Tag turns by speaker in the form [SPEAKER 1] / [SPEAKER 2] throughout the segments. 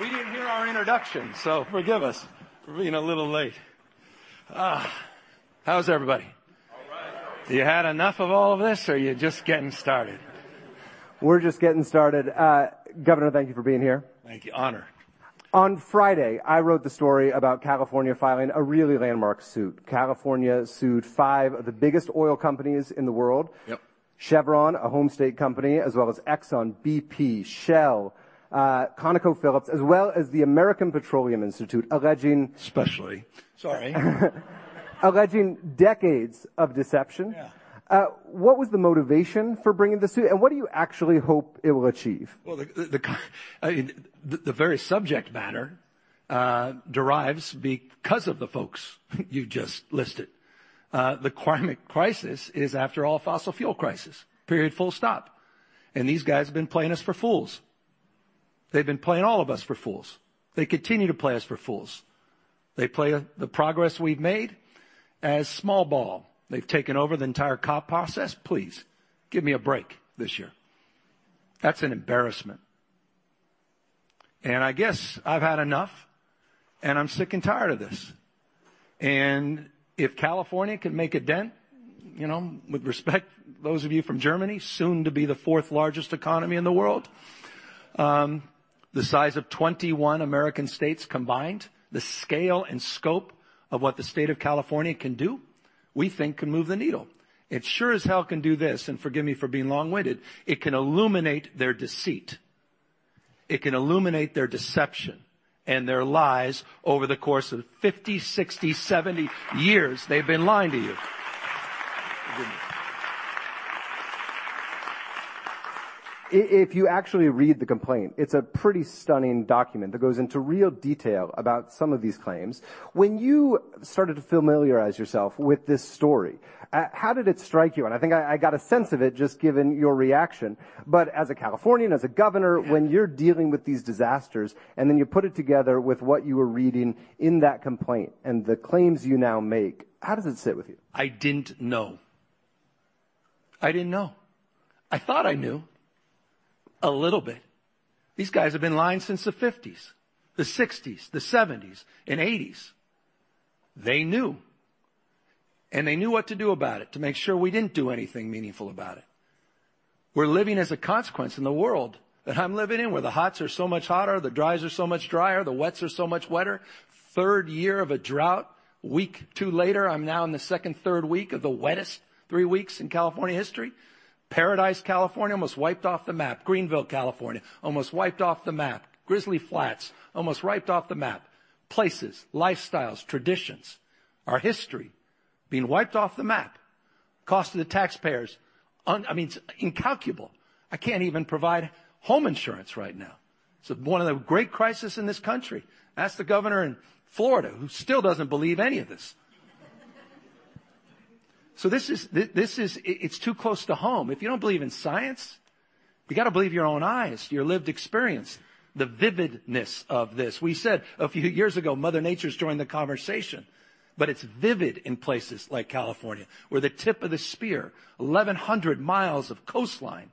[SPEAKER 1] We didn't hear our introduction, so forgive us for being a little late. How is everybody?
[SPEAKER 2] All right.
[SPEAKER 1] You had enough of all of this, or you're just getting started?
[SPEAKER 2] We're just getting started. Governor, thank you for being here.
[SPEAKER 1] Thank you, Honor.
[SPEAKER 2] On Friday, I wrote the story about California filing a really landmark suit. California sued five of the biggest oil companies in the world.
[SPEAKER 1] Yep.
[SPEAKER 2] Chevron, a home state company, as well as Exxon, BP, Shell, ConocoPhillips, as well as the American Petroleum Institute, alleging
[SPEAKER 1] Especially. Sorry.
[SPEAKER 2] Alleging decades of deception.
[SPEAKER 1] Yeah.
[SPEAKER 2] What was the motivation for bringing the suit, and what do you actually hope it will achieve?
[SPEAKER 1] Well, the very subject matter derives because of the folks you just listed. The climate crisis is, after all, a fossil fuel crisis. Period, full stop. These guys have been playing us for fools. They've been playing all of us for fools. They continue to play us for fools. They play the progress we've made as small ball. They've taken over the entire COP process. Please, give me a break this year. That's an embarrassment. I guess I've had enough, and I'm sick and tired of this. If California can make a dent, with respect to those of you from Germany, soon to be the fourth largest economy in the world. The size of 21 American states combined. The scale and scope of what the state of California can do, we think can move the needle. It sure as hell can do this, and forgive me for being long-winded, it can illuminate their deceit. It can illuminate their deception and their lies over the course of 50, 60, 70 years they've been lying to you. Forgive me.
[SPEAKER 2] If you actually read the complaint, it's a pretty stunning document that goes into real detail about some of these claims. When you started to familiarize yourself with this story, how did it strike you? I think I got a sense of it just given your reaction. As a Californian, as a governor, when you're dealing with these disasters, and then you put it together with what you were reading in that complaint and the claims you now make, how does it sit with you?
[SPEAKER 1] I didn't know. I thought I knew a little bit. These guys have been lying since the '50s, the '60s, the '70s, and '80s. They knew. They knew what to do about it to make sure we didn't do anything meaningful about it. We're living as a consequence in the world that I'm living in, where the hots are so much hotter, the dries are so much drier, the wets are so much wetter. Third year of a drought, a week or two later, I'm now in the second or third week of the wettest three weeks in California history. Paradise, California, almost wiped off the map. Greenville, California, almost wiped off the map. Grizzly Flats, almost wiped off the map. Places, lifestyles, traditions, our history being wiped off the map. Cost to the taxpayers incalculable. I can't even provide home insurance right now. It's one of the great crises in this country. Ask the governor in Florida, who still doesn't believe any of this. It's too close to home. If you don't believe in science, you got to believe your own eyes, your lived experience, the vividness of this. We said a few years ago, Mother Nature's joined the conversation, but it's vivid in places like California. We're the tip of the spear. 1,100 mi of coastline.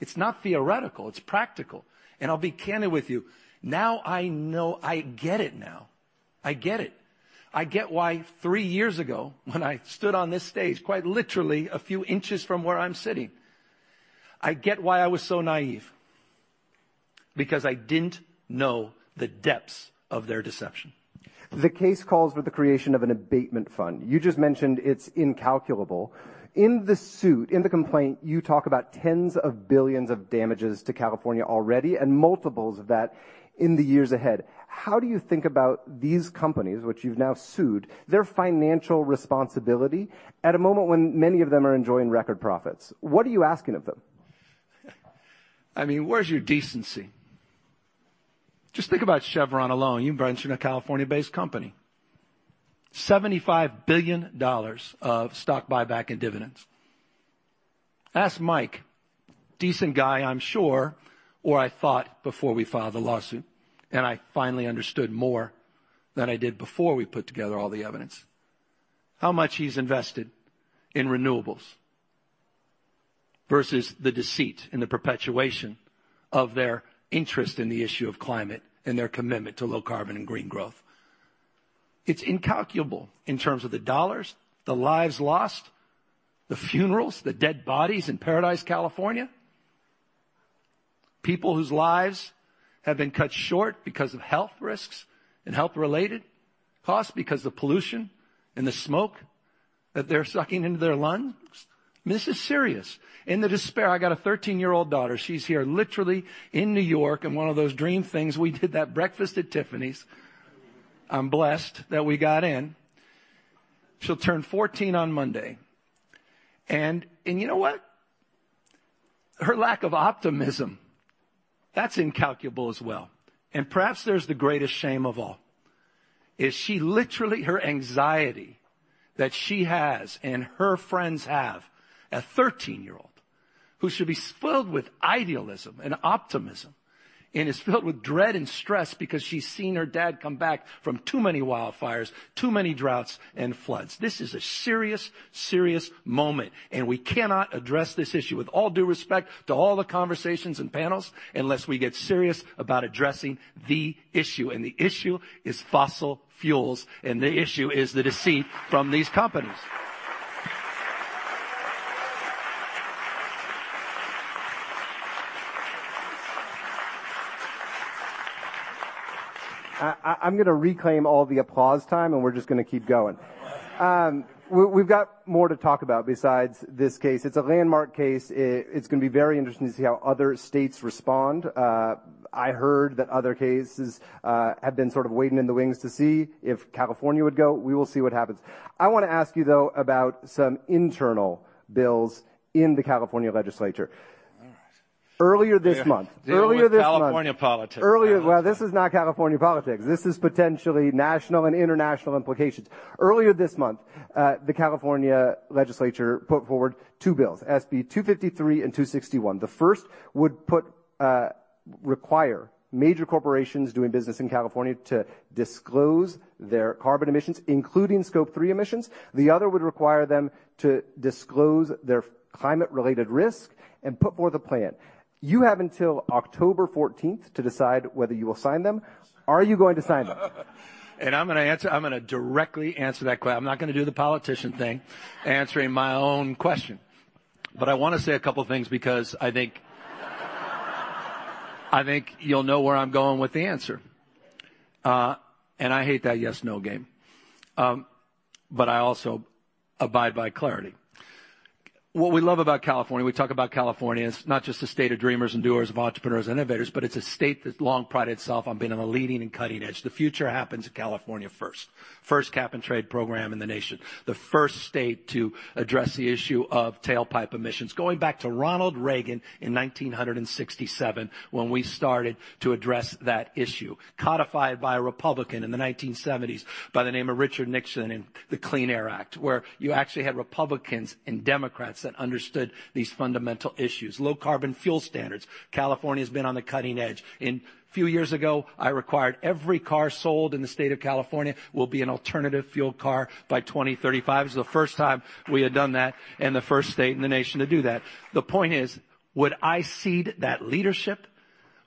[SPEAKER 1] It's not theoretical, it's practical. I'll be candid with you. I get it now. I get it. I get why three years ago, when I stood on this stage, quite literally a few inches from where I'm sitting, I get why I was so naive. Because I didn't know the depths of their deception.
[SPEAKER 2] The case calls for the creation of an abatement fund. You just mentioned it's incalculable. In the suit, in the complaint, you talk about tens of billions of damages to California already and multiples of that in the years ahead. How do you think about these companies, which you've now sued, their financial responsibility at a moment when many of them are enjoying record profits? What are you asking of them?
[SPEAKER 1] Where's your decency? Just think about Chevron alone. You mentioned a California-based company. $75 billion of stock buyback and dividends. Ask Mike, decent guy, I'm sure, or I thought before we filed the lawsuit, and I finally understood more than I did before we put together all the evidence, how much he's invested in renewables versus the deceit and the perpetuation of their interest in the issue of climate and their commitment to low carbon and green growth. It's incalculable in terms of the dollars, the lives lost, the funerals, the dead bodies in Paradise, California. People whose lives have been cut short because of health risks and health-related costs because of pollution and the smoke that they're sucking into their lungs. This is serious. In the despair, I've got a 13-year-old daughter. She's here literally in New York in one of those dream things we did, that Breakfast at Tiffany's. I'm blessed that we got in. She'll turn 14 on Monday. You know what? Her lack of optimism, that's incalculable as well. Perhaps there's the greatest shame of all, is she literally, her anxiety that she has and her friends have, a 13-year-old who should be filled with idealism and optimism and is filled with dread and stress because she's seen her dad come back from too many wildfires, too many droughts and floods. This is a serious moment, and we cannot address this issue, with all due respect to all the conversations and panels, unless we get serious about addressing the issue. The issue is fossil fuels, and the issue is the deceit from these companies.
[SPEAKER 2] I'm going to reclaim all the applause time, and we're just going to keep going. We've got more to talk about besides this case. It's a landmark case. It's going to be very interesting to see how other states respond. I heard that other cases have been sort of waiting in the wings to see if California would go. We will see what happens. I want to ask you, though, about some internal bills in the California legislature.
[SPEAKER 1] All right.
[SPEAKER 2] Earlier this month.
[SPEAKER 1] Dealing with California politics.
[SPEAKER 2] Well, this is not California politics. This is potentially national and international implications. Earlier this month, the California legislature put forward two bills, SB 253 and SB 261. The first would require major corporations doing business in California to disclose their carbon emissions, including Scope 3 emissions. The other would require them to disclose their climate-related risk and put forth a plan. You have until October 14 to decide whether you will sign them. Are you going to sign them?
[SPEAKER 1] I'm going to directly answer that. I'm not going to do the politician thing, answering my own question. I want to say a couple things because I think you'll know where I'm going with the answer. I hate that yes, no game. I also abide by clarity. What we love about California, we talk about California as not just a state of dreamers and doers, of entrepreneurs, innovators, but it's a state that's long prided itself on being on the leading and cutting edge. The future happens in California first. First cap and trade program in the nation. The first state to address the issue of tailpipe emissions, going back to Ronald Reagan in 1967, when we started to address that issue, codified by a Republican in the 1970s by the name of Richard Nixon in the Clean Air Act, where you actually had Republicans and Democrats that understood these fundamental issues. Low carbon fuel standards. California's been on the cutting edge, and a few years ago, I required every car sold in the state of California will be an alternative fuel car by 2035. It's the first time we had done that and the first state in the nation to do that. The point is, would I cede that leadership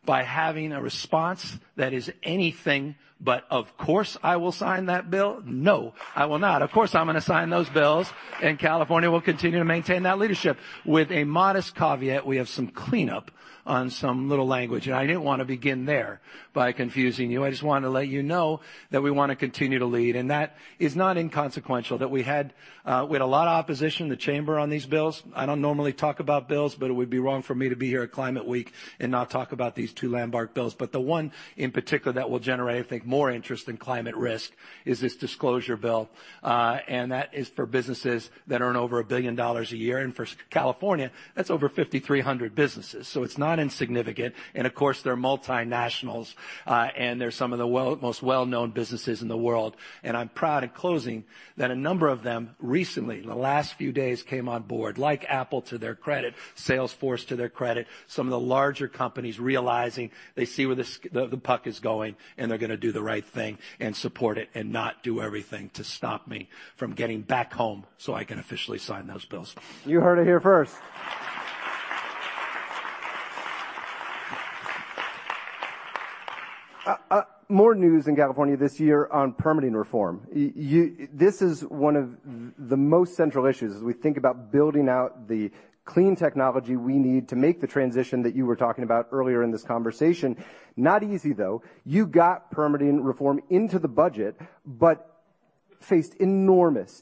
[SPEAKER 1] by having a response that is anything but, "of course I will sign that bill"? No, I will not. Of course, I'm going to sign those bills, and California will continue to maintain that leadership with a modest caveat. We have some cleanup on some little language, and I didn't want to begin there by confusing you. I just wanted to let you know that we want to continue to lead. That is not inconsequential, that we had a lot of opposition in the chamber on these bills. I don't normally talk about bills, but it would be wrong for me to be here at Climate Week and not talk about these two landmark bills. The one in particular that will generate, I think, more interest in climate risk is this disclosure bill, and that is for businesses that earn over $1 billion a year. For California, that's over 5,300 businesses. It's not insignificant. Of course, they're multinationals, and they're some of the most well-known businesses in the world. I'm proud, in closing, that a number of them recently, in the last few days, came on board, like Apple, to their credit, Salesforce to their credit. Some of the larger companies realizing they see where the puck is going, and they're going to do the right thing and support it and not do everything to stop me from getting back home so I can officially sign those bills.
[SPEAKER 2] You heard it here first. More news in California this year on permitting reform. This is one of the most central issues as we think about building out the clean technology we need to make the transition that you were talking about earlier in this conversation. Not easy, though. You got permitting reform into the budget but faced enormous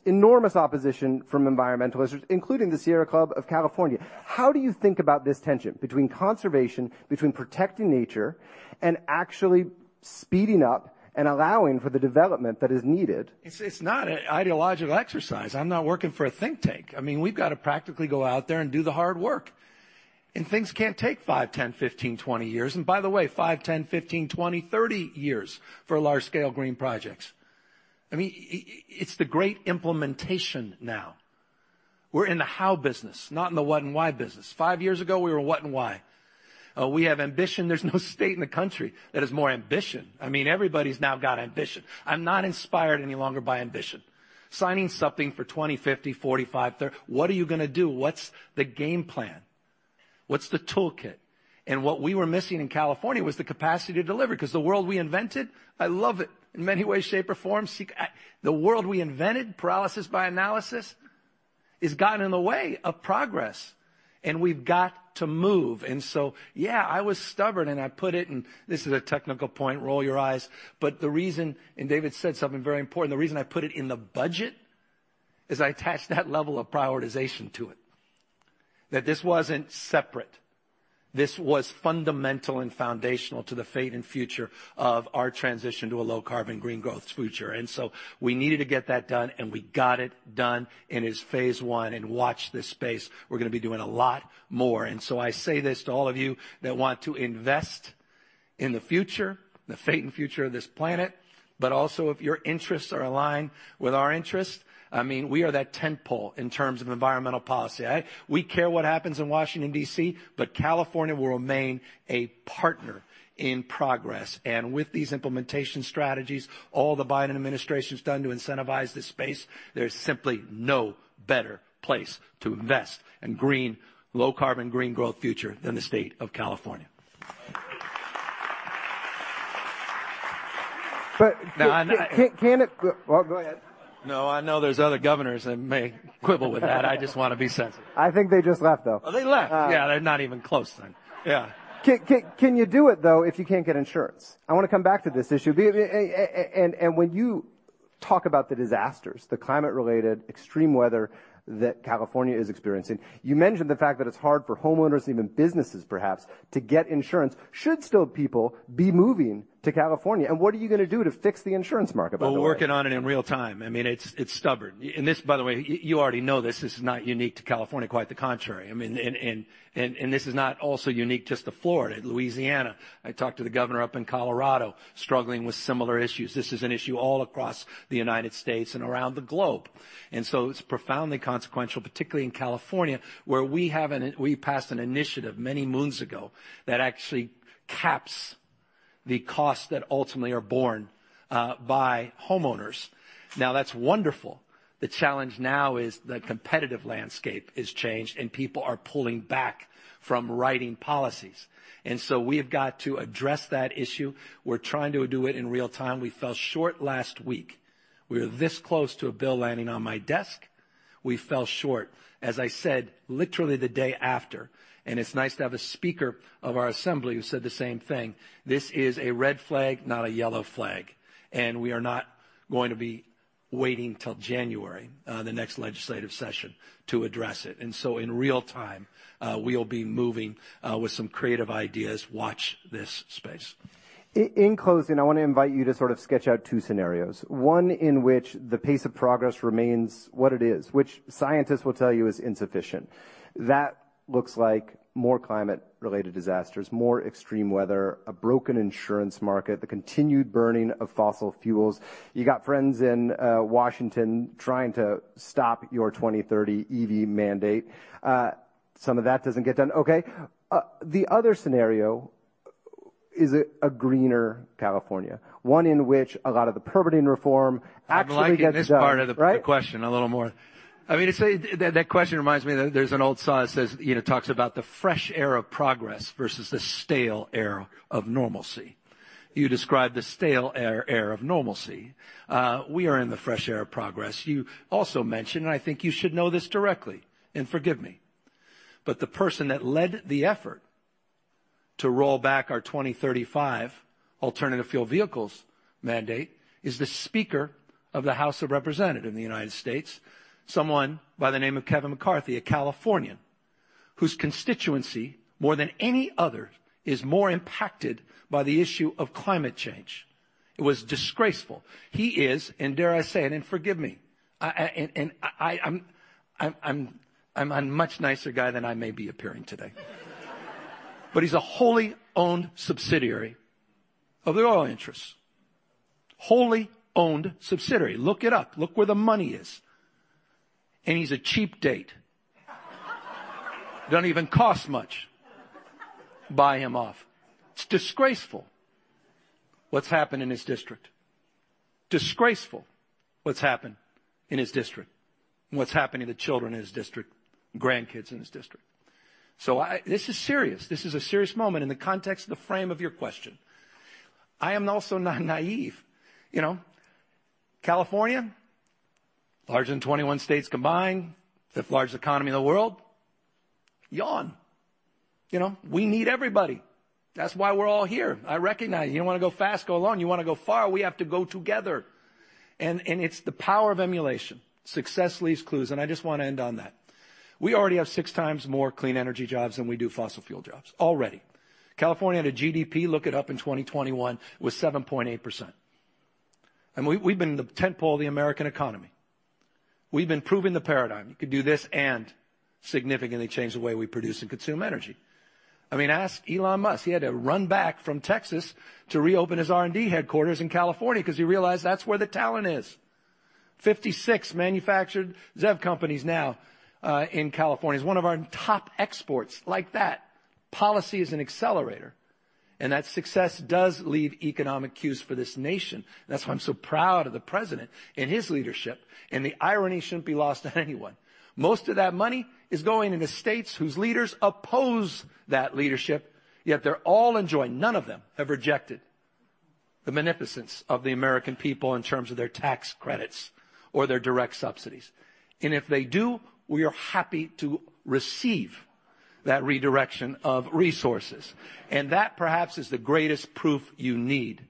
[SPEAKER 2] opposition from environmentalists, including the Sierra Club of California. How do you think about this tension between conservation, between protecting nature, and actually speeding up and allowing for the development that is needed?
[SPEAKER 1] It's not an ideological exercise. I'm not working for a think tank. We've got to practically go out there and do the hard work. Things can't take five, 10, 15, 20 years. By the way, five, 10, 15, 20, 30 years for large-scale green projects. It's the great implementation now. We're in the how business, not in the what and why business. Five years ago, we were what and why. We have ambition. There's no state in the country that has more ambition. Everybody's now got ambition. I'm not inspired any longer by ambition. Signing something for 2050, '45. What are you going to do? What's the game plan? What's the toolkit? What we were missing in California was the capacity to deliver, because the world we invented. I love it in many ways, shape, or forms. The world we invented, paralysis by analysis, has gotten in the way of progress, and we've got to move. Yeah, I was stubborn, and I put it, and this is a technical point, roll your eyes. The reason, and David said something very important, the reason I put it in the budget is I attached that level of prioritization to it. That this wasn't separate. This was fundamental and foundational to the fate and future of our transition to a low carbon, green growth future. We needed to get that done, and we got it done in his phase one. Watch this space, we're going to be doing a lot more. I say this to all of you that want to invest in the future, the fate and future of this planet. Also, if your interests are aligned with our interests, we are that tent pole in terms of environmental policy. We care what happens in Washington, D.C., but California will remain a partner in progress. With these implementation strategies, all the Biden administration's done to incentivize this space, there is simply no better place to invest in green, low carbon, green growth future than the state of California.
[SPEAKER 2] But-
[SPEAKER 1] No, I-
[SPEAKER 2] Well, go ahead.
[SPEAKER 1] No, I know there's other governors that may quibble with that. I just want to be sensitive.
[SPEAKER 2] I think they just left, though.
[SPEAKER 1] Oh, they left. Yeah. They're not even close then. Yeah.
[SPEAKER 2] Can you do it, though, if you can't get insurance? I want to come back to this issue. When you talk about the disasters, the climate-related extreme weather that California is experiencing, you mentioned the fact that it's hard for homeowners, even businesses, perhaps, to get insurance. Should still people be moving to California? What are you going to do to fix the insurance market, by the way?
[SPEAKER 1] We're working on it in real time. It's stubborn. This, by the way, you already know this is not unique to California. Quite the contrary. This is not also unique just to Florida, Louisiana. I talked to the governor up in Colorado, struggling with similar issues. This is an issue all across the United States and around the globe. It's profoundly consequential, particularly in California, where we passed an initiative many moons ago that actually caps the costs that ultimately are borne by homeowners. Now, that's wonderful. The challenge now is the competitive landscape is changed, and people are pulling back from writing policies. We have got to address that issue. We're trying to do it in real time. We fell short last week. We were this close to a bill landing on my desk. We fell short, as I said, literally the day after. It's nice to have a speaker of our assembly who said the same thing. This is a red flag, not a yellow flag. We are not going to be waiting till January, the next legislative session, to address it. In real time, we'll be moving with some creative ideas. Watch this space.
[SPEAKER 2] In closing, I want to invite you to sort of sketch out two scenarios. One in which the pace of progress remains what it is, which scientists will tell you is insufficient. That looks like more climate related disasters, more extreme weather, a broken insurance market, the continued burning of fossil fuels. You got friends in Washington trying to stop your 2030 EV mandate. Some of that doesn't get done. Okay. The other scenario is a greener California, one in which a lot of the permitting reform actually gets done.
[SPEAKER 1] I'm liking this part of the question a little more. That question reminds me, there's an old saying, it talks about the fresh air of progress versus the stale air of normalcy. You describe the stale air of normalcy. We are in the fresh air of progress. You also mentioned, I think you should know this directly, and forgive me, but the person that led the effort to roll back our 2035 alternative fuel vehicles mandate is the Speaker of the House of Representatives in the United States. Someone by the name of Kevin McCarthy, a Californian, whose constituency, more than any other, is more impacted by the issue of climate change. It was disgraceful. He is, and dare I say it, and forgive me, I'm a much nicer guy than I may be appearing today. He's a wholly owned subsidiary of the oil interests. Wholly owned subsidiary. Look it up. Look where the money is. He's a cheap date. It doesn't even cost much to buy him off. It's disgraceful what's happened in his district, and what's happening to children in his district, grandkids in his district. This is serious. This is a serious moment in the context of the frame of your question. I am also not naive. California, larger than 21 states combined, fifth largest economy in the world, yawn. We need everybody. That's why we're all here. I recognize you don't want to go fast, go alone. You want to go far, we have to go together. It's the power of emulation. Success leaves clues, and I just want to end on that. We already have six times more clean energy jobs than we do fossil fuel jobs already. California had a GDP, look it up, in 2021, was 7.8%. We've been the tent pole of the American economy. We've been proving the paradigm. You could do this and significantly change the way we produce and consume energy. Ask Elon Musk, he had to run back from Texas to reopen his R&D headquarters in California because he realized that's where the talent is. 56 manufactured ZEV companies now, in California. It's one of our top exports. Like that. Policy is an accelerator, and that success does leave economic cues for this nation. That's why I'm so proud of the president and his leadership. The irony shouldn't be lost on anyone. Most of that money is going to the states whose leaders oppose that leadership, yet they're all enjoying. None of them have rejected the magnificence of the American people in terms of their tax credits or their direct subsidies. If they do, we are happy to receive That redirection of resources. That perhaps is the greatest proof you need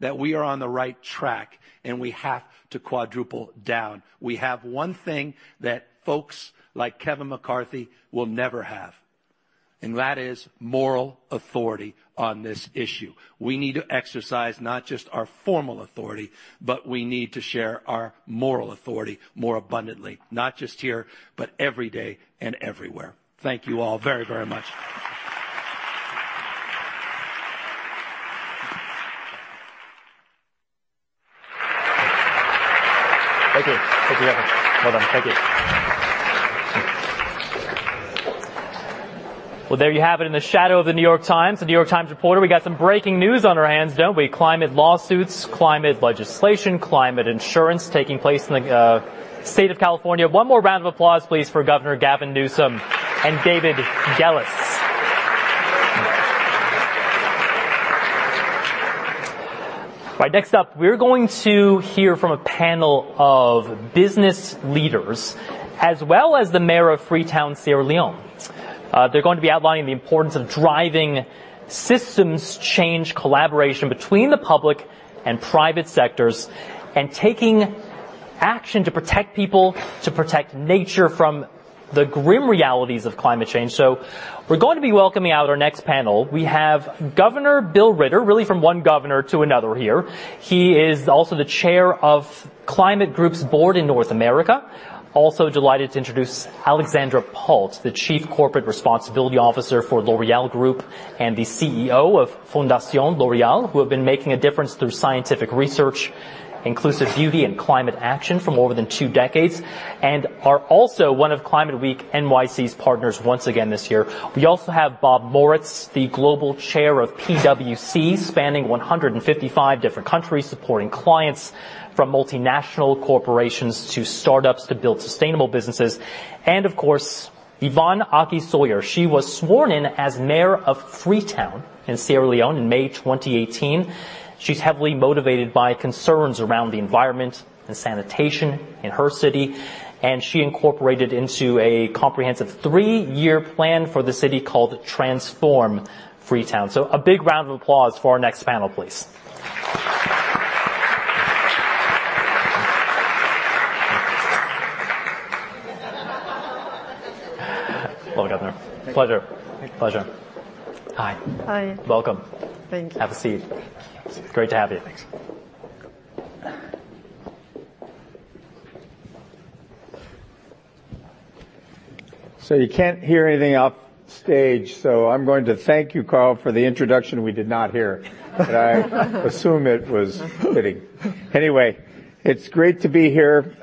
[SPEAKER 1] that we are on the right track and we have to quadruple down. We have one thing that folks like Kevin McCarthy will never have, and that is moral authority on this issue. We need to exercise not just our formal authority, but we need to share our moral authority more abundantly, not just here, but every day and everywhere. Thank you all very much.
[SPEAKER 3] Thank you. Thank you, Governor. Well done. Thank you. Well, there you have it. In the shadow of The New York Times, a New York Times reporter. We got some breaking news on our hands, don't we? Climate lawsuits, climate legislation, climate insurance taking place in the state of California. One more round of applause, please, for Governor Gavin Newsom and David Gelles. Right. Next up, we're going to hear from a panel of business leaders, as well as the Mayor of Freetown, Sierra Leone. They're going to be outlining the importance of driving systems change collaboration between the public and private sectors, and taking action to protect people, to protect nature from the grim realities of climate change. We're going to be welcoming out our next panel. We have Governor Bill Ritter, really from one governor to another here. He is also the chair of Climate Group's board in North America. Also delighted to introduce Alexandra Palt, the Chief Corporate Responsibility Officer for L'Oréal Group and the CEO of Fondation L'Oréal, who have been making a difference through scientific research, inclusive beauty, and climate action for more than two decades, and are also one of Climate Week NYC's partners once again this year. We also have Bob Moritz, the Global Chair of PwC, spanning 155 different countries, supporting clients from multinational corporations to startups to build sustainable businesses. Of course, Yvonne Aki-Sawyerr. She was sworn in as Mayor of Freetown in Sierra Leone in May 2018. She's heavily motivated by concerns around the environment and sanitation in her city, and she incorporated into a comprehensive three-year plan for the city called Transform Freetown. A big round of applause for our next panel, please. Hello, Governor.
[SPEAKER 4] Thank you.
[SPEAKER 3] Pleasure.
[SPEAKER 4] Thank you.
[SPEAKER 3] Pleasure. Hi.
[SPEAKER 5] Hi.
[SPEAKER 3] Welcome.
[SPEAKER 4] Thank you.
[SPEAKER 3] Have a seat. Great to have you.
[SPEAKER 4] Thanks. You can't hear anything off stage, so I'm going to thank you, Klein, for the introduction we did not hear. I assume it was fitting. Anyway, it's great to be here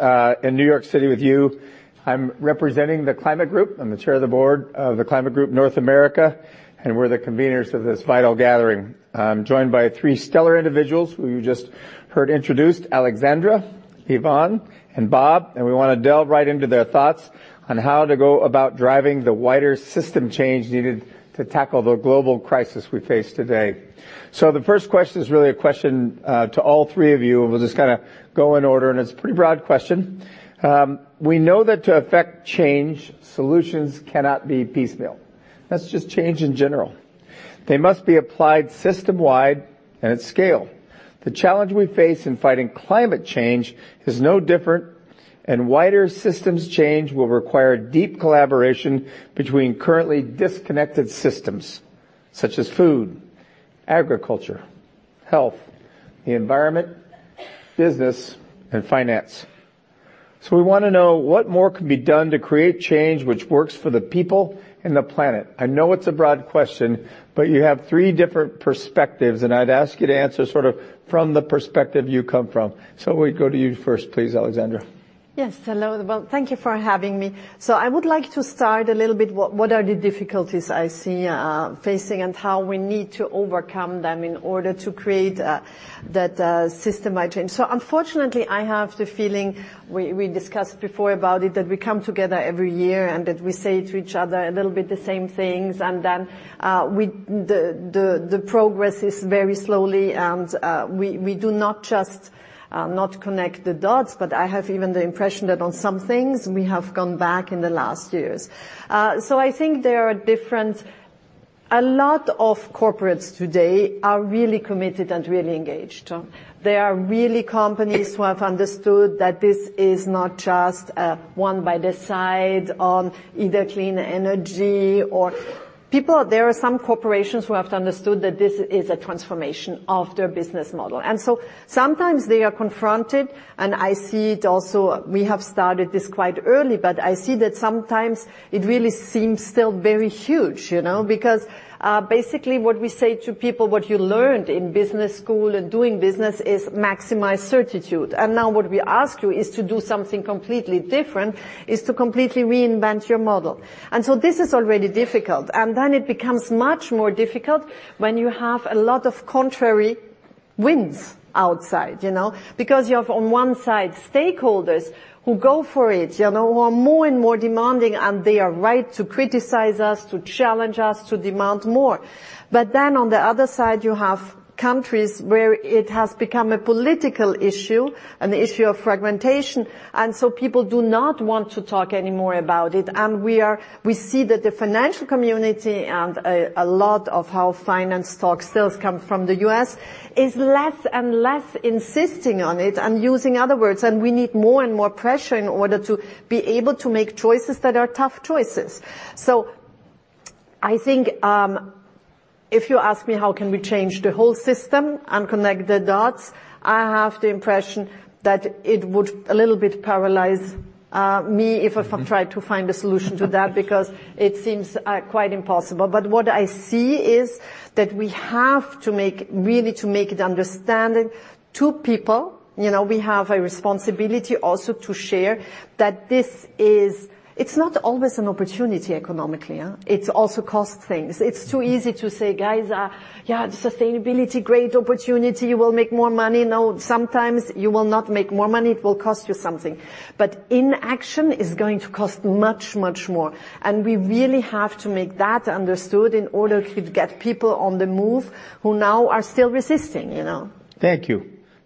[SPEAKER 4] in New York City with you. I'm representing the Climate Group. I'm the chair of the board of the Climate Group, North America, and we're the conveners of this vital gathering. I'm joined by three stellar individuals who you just heard introduced, Alexandra, Yvonne, and Bob, and we want to delve right into their thoughts on how to go about driving the wider system change needed to tackle the global crisis we face today. The first question is really a question to all three of you, and we'll just kind of go in order, and it's a pretty broad question. We know that to affect change, solutions cannot be piecemeal. That's just change in general. They must be applied system-wide and at scale. The challenge we face in fighting climate change is no different, and wider systems change will require deep collaboration between currently disconnected systems such as food, agriculture, health, the environment, business, and finance. We want to know what more can be done to create change which works for the people and the planet? I know it's a broad question, but you have three different perspectives, and I'd ask you to answer sort of from the perspective you come from. We go to you first, please, Alexandra.
[SPEAKER 5] Yes. Hello. Well, thank you for having me. I would like to start a little bit, what are the difficulties I see facing, and how we need to overcome them in order to create that system-wide change. Unfortunately, I have the feeling we discussed before about it, that we come together every year and that we say to each other a little bit the same things, and then, the progress is very slowly. We do not just connect the dots, but I have even the impression that on some things, we have gone back in the last years. I think a lot of corporates today are really committed and really engaged. There are really companies who have understood that this is not just one by the side on either clean energy or... There are some corporations who have understood that this is a transformation of their business model. Sometimes they are confronted, and I see it also, we have started this quite early, but I see that sometimes it really seems still very huge, you know. Because, basically, what we say to people, what you learned in business school and doing business is maximize certitude. Now what we ask you is to do something completely different, is to completely reinvent your model. This is already difficult. Then it becomes much more difficult when you have a lot of contrary winds outside, you know. Because you have on one side, stakeholders who go for it, who are more and more demanding, and they are right to criticize us, to challenge us, to demand more. On the other side, you have countries where it has become a political issue, an issue of fragmentation, and so people do not want to talk any more about it. We see that the financial community and a lot of how finance stock still comes from the U.S., is less and less insisting on it and using other words. We need more and more pressure in order to be able to make choices that are tough choices. I think, if you ask me how can we change the whole system and connect the dots, I have the impression that it would a little bit paralyze me if I tried to find a solution to that because it seems quite impossible. What I see is that we have to really make it understanding to people. We have a responsibility also to share that it's not always an opportunity economically. It also costs things. It's too easy to say, "Guys, yeah, sustainability, great opportunity. We'll make more money." No. Sometimes you will not make more money. It will cost you something. Inaction is going to cost much, much more, and we really have to make that understood in order to get people on the move who now are still resisting.
[SPEAKER 4] Thank you.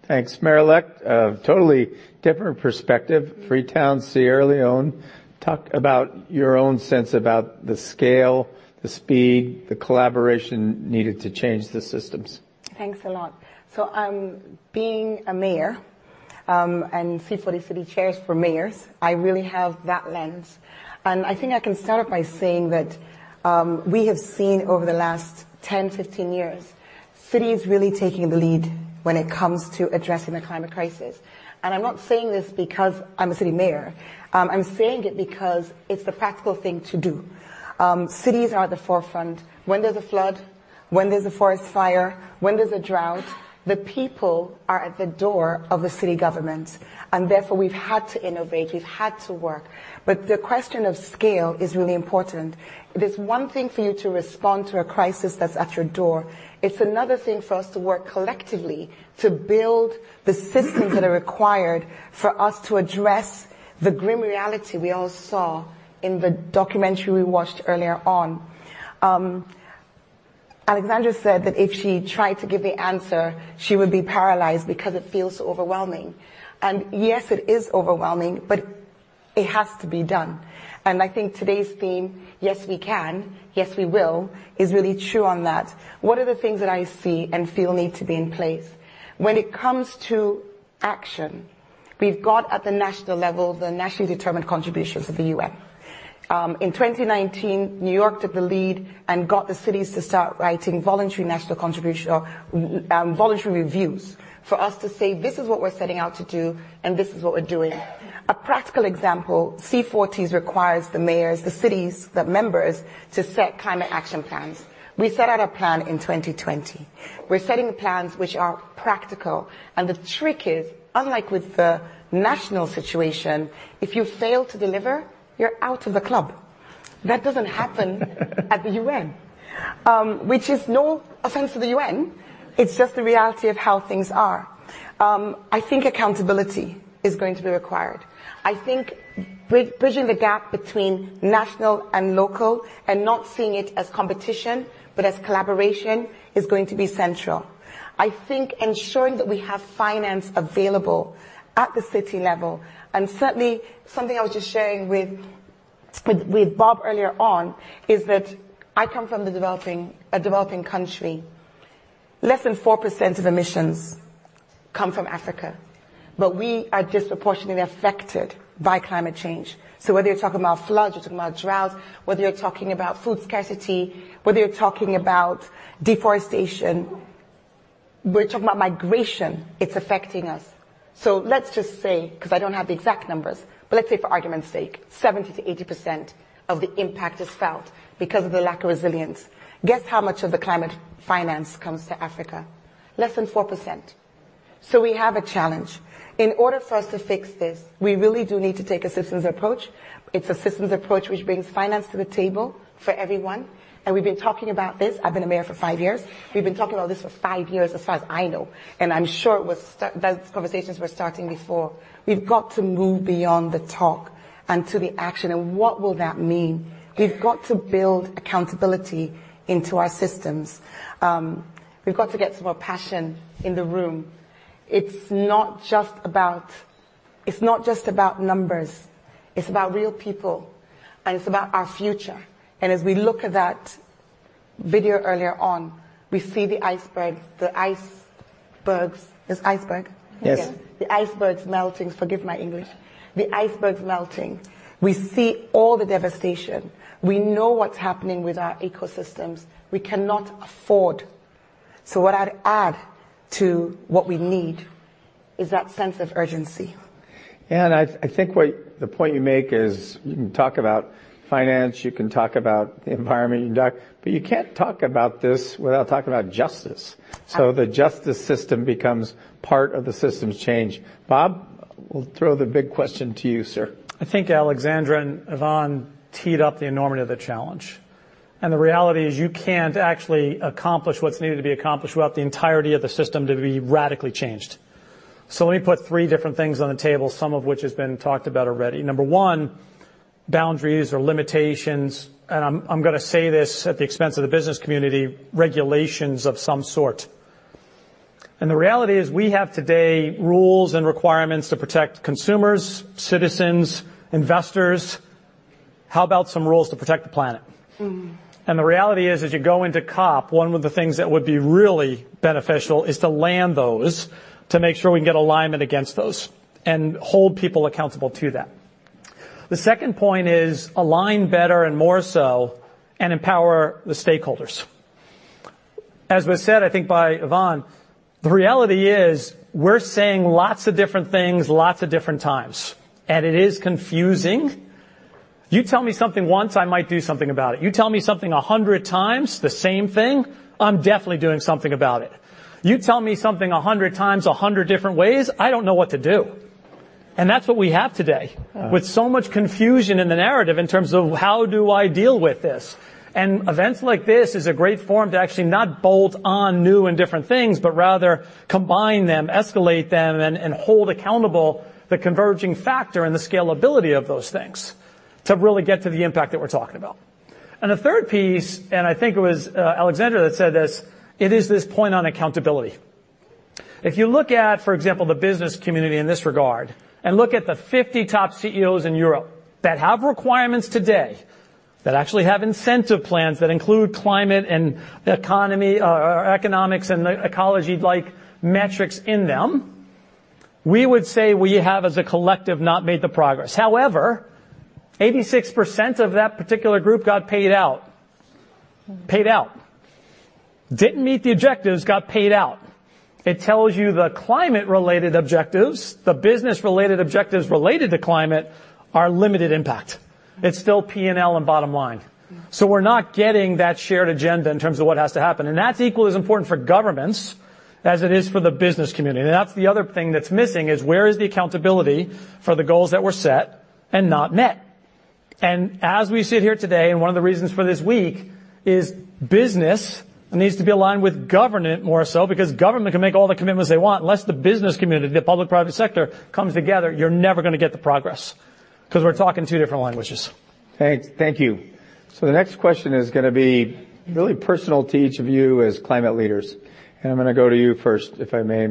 [SPEAKER 4] Thanks, Mayor. A totally different perspective. Freetown, Sierra Leone. Talk about your own sense about the scale, the speed, the collaboration needed to change the systems.
[SPEAKER 6] Thanks a lot. Being a mayor, and C40 Cities Chair for Mayors, I really have that lens. I think I can start by saying that we have seen over the last 10, 15 years, cities really taking the lead when it comes to addressing the climate crisis. I'm not saying this because I'm a city mayor. I'm saying it because it's the practical thing to do. Cities are at the forefront. When there's a flood, when there's a forest fire, when there's a drought, the people are at the door of the city government, and therefore, we've had to innovate. We've had to work. The question of scale is really important. It is one thing for you to respond to a crisis that's at your door. It's another thing for us to work collectively to build the systems that are required for us to address the grim reality we all saw in the documentary we watched earlier on. Alexandra said that if she tried to give the answer, she would be paralyzed because it feels overwhelming. Yes, it is overwhelming, but it has to be done. I think today's theme, Yes We Can, Yes We Will, is really true on that. What are the things that I see and feel need to be in place? When it comes to action, we've got at the national level, the nationally determined contributions of the UN. In 2019, New York took the lead and got the cities to start writing voluntary reviews for us to say, "This is what we're setting out to do, and this is what we're doing." A practical example, C40 requires the mayors, the cities, the members to set climate action plans. We set out a plan in 2020. We're setting plans which are practical, and the trick is, unlike with the national situation, if you fail to deliver, you're out of the club. That doesn't happen at the UN, which is no offense to the UN, it's just the reality of how things are. I think accountability is going to be required. I think bridging the gap between national and local and not seeing it as competition but as collaboration is going to be central. I think ensuring that we have finance available at the city level, and certainly something I was just sharing with Bob earlier on, is that I come from a developing country. Less than 4% of emissions come from Africa, but we are disproportionately affected by climate change. Whether you're talking about floods, you're talking about droughts, whether you're talking about food scarcity, whether you're talking about deforestation, we're talking about migration, it's affecting us. Let's just say, because I don't have the exact numbers, but let's say for argument's sake, 70%-80% of the impact is felt because of the lack of resilience. Guess how much of the climate finance comes to Africa? Less than 4%. We have a challenge. In order for us to fix this, we really do need to take a systems approach. It's a systems approach, which brings finance to the table for everyone, and we've been talking about this. I've been a mayor for five years. We've been talking about this for five years as far as I know, and I'm sure those conversations were starting before. We've got to move beyond the talk and to the action, and what will that mean? We've got to build accountability into our systems. We've got to get some more passion in the room. It's not just about numbers. It's about real people, and it's about our future. As we look at that video earlier on, we see the iceberg. It's iceberg?
[SPEAKER 4] Yes.
[SPEAKER 6] The icebergs melting. Forgive my English. We see all the devastation. We know what's happening with our ecosystems. We cannot afford. What I'd add to what we need is that sense of urgency.
[SPEAKER 4] I think the point you make is you can talk about finance, you can talk about the environment, but you can't talk about this without talking about justice. The justice system becomes part of the systems change. Bob, we'll throw the big question to you, sir.
[SPEAKER 7] I think Alexandra and Yvonne teed up the enormity of the challenge. The reality is you can't actually accomplish what's needed to be accomplished without the entirety of the system to be radically changed. Let me put three different things on the table, some of which has been talked about already. Number one, boundaries or limitations, and I'm going to say this at the expense of the business community, regulations of some sort. The reality is, we have today rules and requirements to protect consumers, citizens, investors. How about some rules to protect the planet?
[SPEAKER 6] Mm.
[SPEAKER 7] The reality is, as you go into COP, one of the things that would be really beneficial is to land those to make sure we can get alignment against those and hold people accountable to that. The second point is align better and more so, and empower the stakeholders. As was said, I think by Yvonne, the reality is we're saying lots of different things, lots of different times, and it is confusing. You tell me something once, I might do something about it. You tell me something 100 times, the same thing, I'm definitely doing something about it. You tell me something 100 times, 100 different ways, I don't know what to do. That's what we have today.
[SPEAKER 4] Yeah.
[SPEAKER 7] With so much confusion in the narrative in terms of how do I deal with this? Events like this is a great forum to actually not bolt on new and different things, but rather combine them, escalate them, and hold accountable the converging factor and the scalability of those things to really get to the impact that we're talking about. The third piece, and I think it was Alexandra that said this, it is this point on accountability. If you look at, for example, the business community in this regard, and look at the 50 top CEOs in Europe that have requirements today, that actually have incentive plans that include climate and economy or economics and ecology-like metrics in them, we would say we have, as a collective, not made the progress. However, 86% of that particular group got paid out.
[SPEAKER 6] Mm-hmm.
[SPEAKER 7] Paid out. Didn't meet the objectives, got paid out. It tells you the climate-related objectives, the business-related objectives related to climate are limited impact. It's still P&L and bottom line.
[SPEAKER 6] Mm-hmm.
[SPEAKER 7] We're not getting that shared agenda in terms of what has to happen. That's equally as important for governments as it is for the business community. That's the other thing that's missing is where is the accountability for the goals that were set and not met? As we sit here today, and one of the reasons for this week is business needs to be aligned with government more so because government can make all the commitments they want, unless the business community, the public-private sector, comes together, you're never gonna get the progress, because we're talking two different languages.
[SPEAKER 4] Thanks. Thank you. The next question is gonna be really personal to each of you as climate leaders. I'm gonna go to you first, if I may,.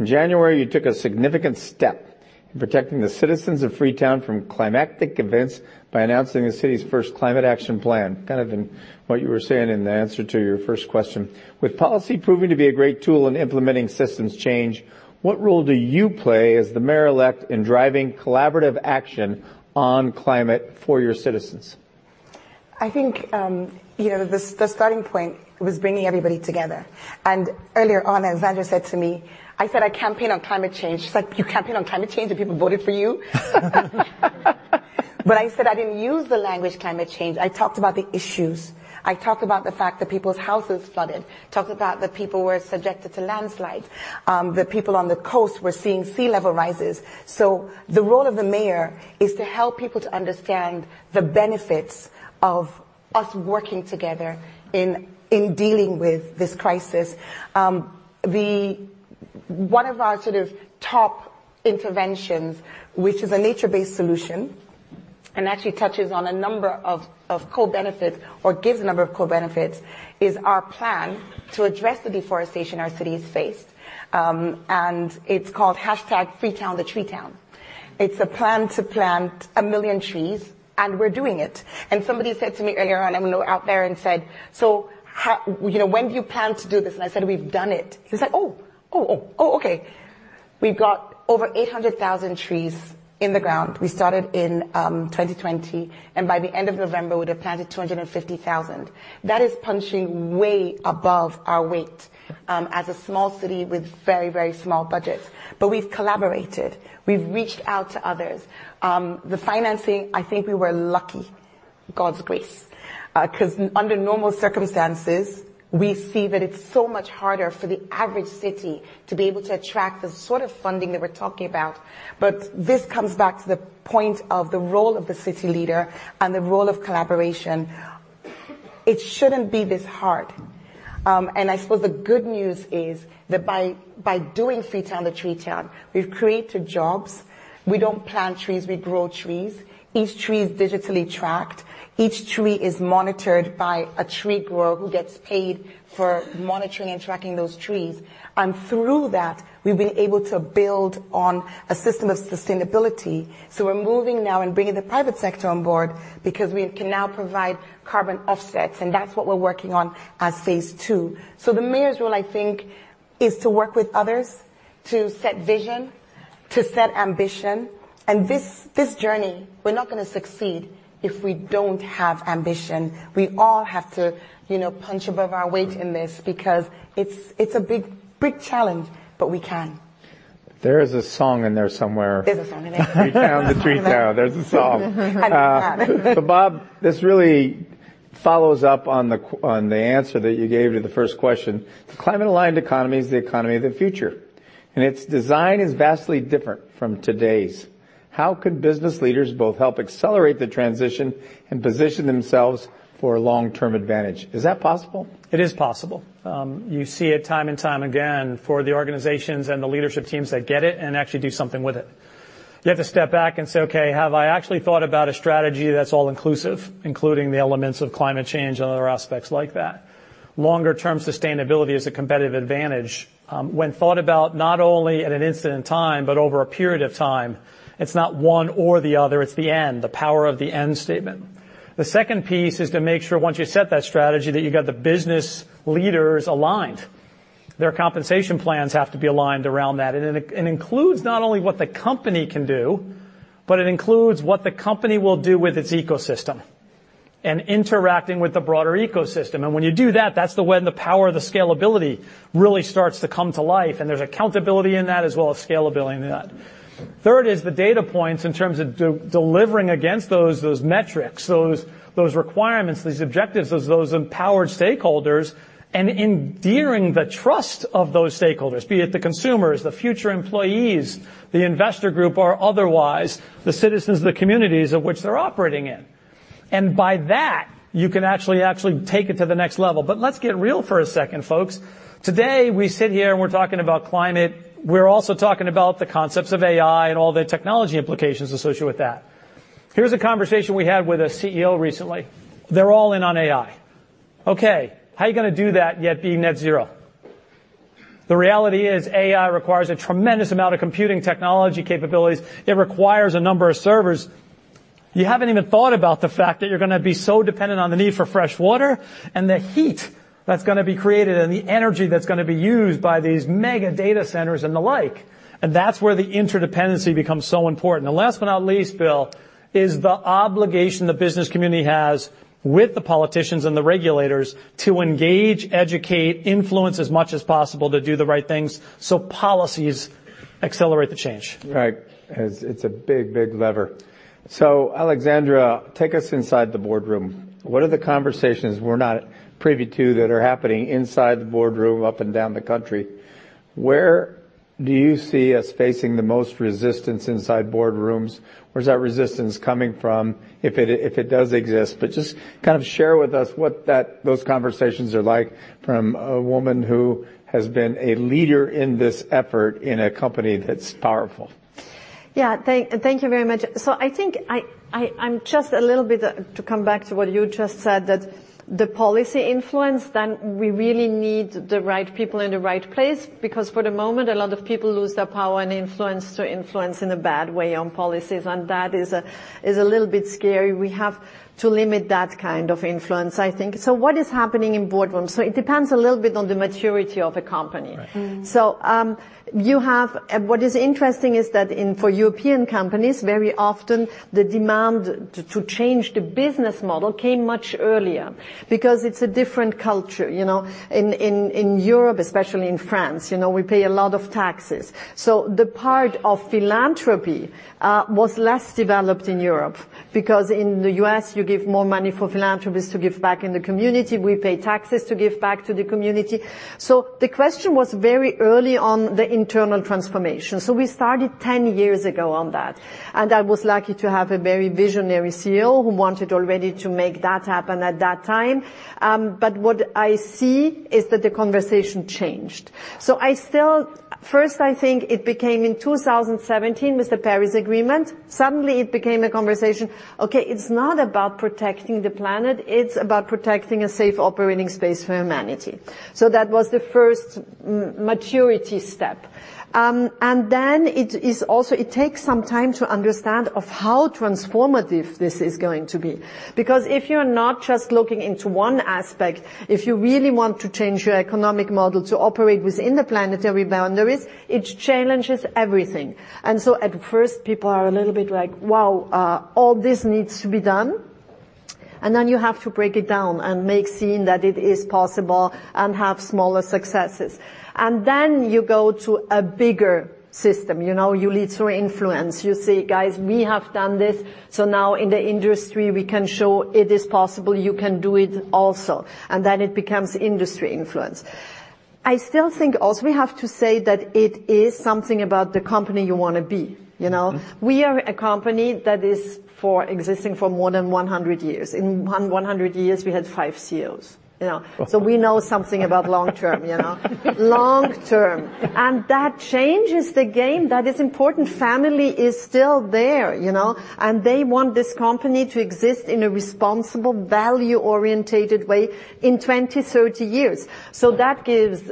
[SPEAKER 4] In January, you took a significant step in protecting the citizens of Freetown from climatic events by announcing the city's first Climate Action Plan, kind of in what you were saying in the answer to your first question. With policy proving to be a great tool in implementing systems change, what role do you play as the Mayor-elect in driving collaborative action on climate for your citizens?
[SPEAKER 6] I think, the starting point was bringing everybody together. Earlier on, Alexandra said to me. I said I campaigned on climate change. She's like, "You campaigned on climate change, and people voted for you?" I said I didn't use the language climate change. I talked about the issues. I talked about the fact that people's houses flooded, talked about that people were subjected to landslides, that people on the coast were seeing sea level rises. The role of the mayor is to help people to understand the benefits of us working together in dealing with this crisis. One of our sort of top interventions, which is a nature-based solution and actually touches on a number of co-benefits or gives a number of co-benefits, is our plan to address the deforestation our cities face, and it's called #FreetownTheTreeTown. It's a plan to plant 1 million trees, and we're doing it. Somebody said to me earlier on, out there and said, "so when do you plan to do this?" I said, "We've done it." He's like, "Oh. Oh, okay." We've got over 800,000 trees in the ground. We started in 2020, and by the end of November, we'd have planted 250,000. That is punching way above our weight as a small city with very small budgets. We've collaborated. We've reached out to others. The financing, I think we were lucky. God's grace. Because under normal circumstances, we see that it's so much harder for the average city to be able to attract the sort of funding that we're talking about. This comes back to the point of the role of the city leader and the role of collaboration. It shouldn't be this hard. I suppose the good news is that by doing Freetown the Tree Town, we've created jobs. We don't plant trees, we grow trees. Each tree is digitally tracked. Each tree is monitored by a tree grower who gets paid for monitoring and tracking those trees. Through that, we've been able to build on a system of sustainability. We're moving now and bringing the private sector on board because we can now provide carbon offsets, and that's what we're working on as phase two. The mayor's role, I think, is to work with others to set vision, to set ambition. This journey, we're not going to succeed if we don't have ambition. We all have to punch above our weight in this because it's a big challenge, but we can.
[SPEAKER 4] There is a song in there somewhere.
[SPEAKER 6] There's a song in it.
[SPEAKER 4] Freetown the Tree Town. There's a song.
[SPEAKER 6] I think that.
[SPEAKER 4] Bob, this really follows up on the answer that you gave to the first question. The climate-aligned economy is the economy of the future, and its design is vastly different from today's. How could business leaders both help accelerate the transition and position themselves for long-term advantage? Is that possible?
[SPEAKER 7] It is possible. You see it time and time again for the organizations and the leadership teams that get it and actually do something with it. You have to step back and say, "Okay, have I actually thought about a strategy that's all-inclusive, including the elements of climate change and other aspects like that?" Longer-term sustainability is a competitive advantage, when thought about not only at an instant in time, but over a period of time. It's not one or the other, it's the end, the power of the end statement. The second piece is to make sure once you set that strategy, that you got the business leaders aligned. Their compensation plans have to be aligned around that. It includes not only what the company can do, but it includes what the company will do with its ecosystem, and interacting with the broader ecosystem. When you do that's when the power of the scalability really starts to come to life. There's accountability in that as well as scalability in that. Third is the data points in terms of delivering against those metrics, those requirements, these objectives, those empowered stakeholders, and endearing the trust of those stakeholders, be it the consumers, the future employees, the investor group, or otherwise, the citizens of the communities of which they're operating in. By that, you can actually take it to the next level. Let's get real for a second, folks. Today, we sit here and we're talking about climate. We're also talking about the concepts of AI and all the technology implications associated with that. Here's a conversation we had with a CEO recently. They're all in on AI. Okay. How are you going to do that, yet be net zero? The reality is AI requires a tremendous amount of computing technology capabilities. It requires a number of servers. You haven't even thought about the fact that you're going to be so dependent on the need for fresh water and the heat that's going to be created and the energy that's going to be used by these mega data centers and the like. That's where the interdependency becomes so important. Last but not least, Bill, is the obligation the business community has with the politicians and the regulators to engage, educate, influence as much as possible to do the right things so policies accelerate the change.
[SPEAKER 4] Right. It's a big, big lever. Alexandra, take us inside the boardroom. What are the conversations we're not privy to that are happening inside the boardroom up and down the country? Where do you see us facing the most resistance inside boardrooms? Where's that resistance coming from, if it does exist? Just kind of share with us what those conversations are like from a woman who has been a leader in this effort in a company that's powerful.
[SPEAKER 5] Yeah. Thank you very much. I think I'm just a little bit, to come back to what you just said, that the policy influence, then we really need the right people in the right place, because for the moment, a lot of people lose their power and influence to influence in a bad way on policies, and that is a little bit scary. We have to limit that kind of influence, I think. What is happening in boardrooms? It depends a little bit on the maturity of a company.
[SPEAKER 4] Right.
[SPEAKER 6] Mm-hmm.
[SPEAKER 5] What is interesting is that for European companies, very often, the demand to change the business model came much earlier because it's a different culture. In Europe, especially in France, we pay a lot of taxes. The part of philanthropy was less developed in Europe because in the U.S., you give more money for philanthropists to give back in the community. We pay taxes to give back to the community. The question was very early on the internal transformation. We started 10 years ago on that, and I was lucky to have a very visionary CEO who wanted already to make that happen at that time. What I see is that the conversation changed. First, I think it became in 2017, with the Paris Agreement, suddenly it became a conversation. Okay, it's not about protecting the planet, it's about protecting a safe operating space for humanity. That was the first maturity step. It is also, it takes some time to understand of how transformative this is going to be. Because if you're not just looking into one aspect, if you really want to change your economic model to operate within the planetary boundaries, it challenges everything. At first, people are a little bit like, "Wow, all this needs to be done?" You have to break it down and make it seem that it is possible and have smaller successes. You go to a bigger system. You lead through influence. You say, "Guys, we have done this, so now in the industry, we can show it is possible. You can do it also." It becomes industry influence. I still think also we have to say that it is something about the company you want to be.
[SPEAKER 4] Mm-hmm.
[SPEAKER 5] We are a company that is existing for more than 100 years. In 100 years, we had five CEOs. We know something about long term. That changes the game. That is important. Family is still there. They want this company to exist in a responsible, value-oriented way in 20, 30 years. That gives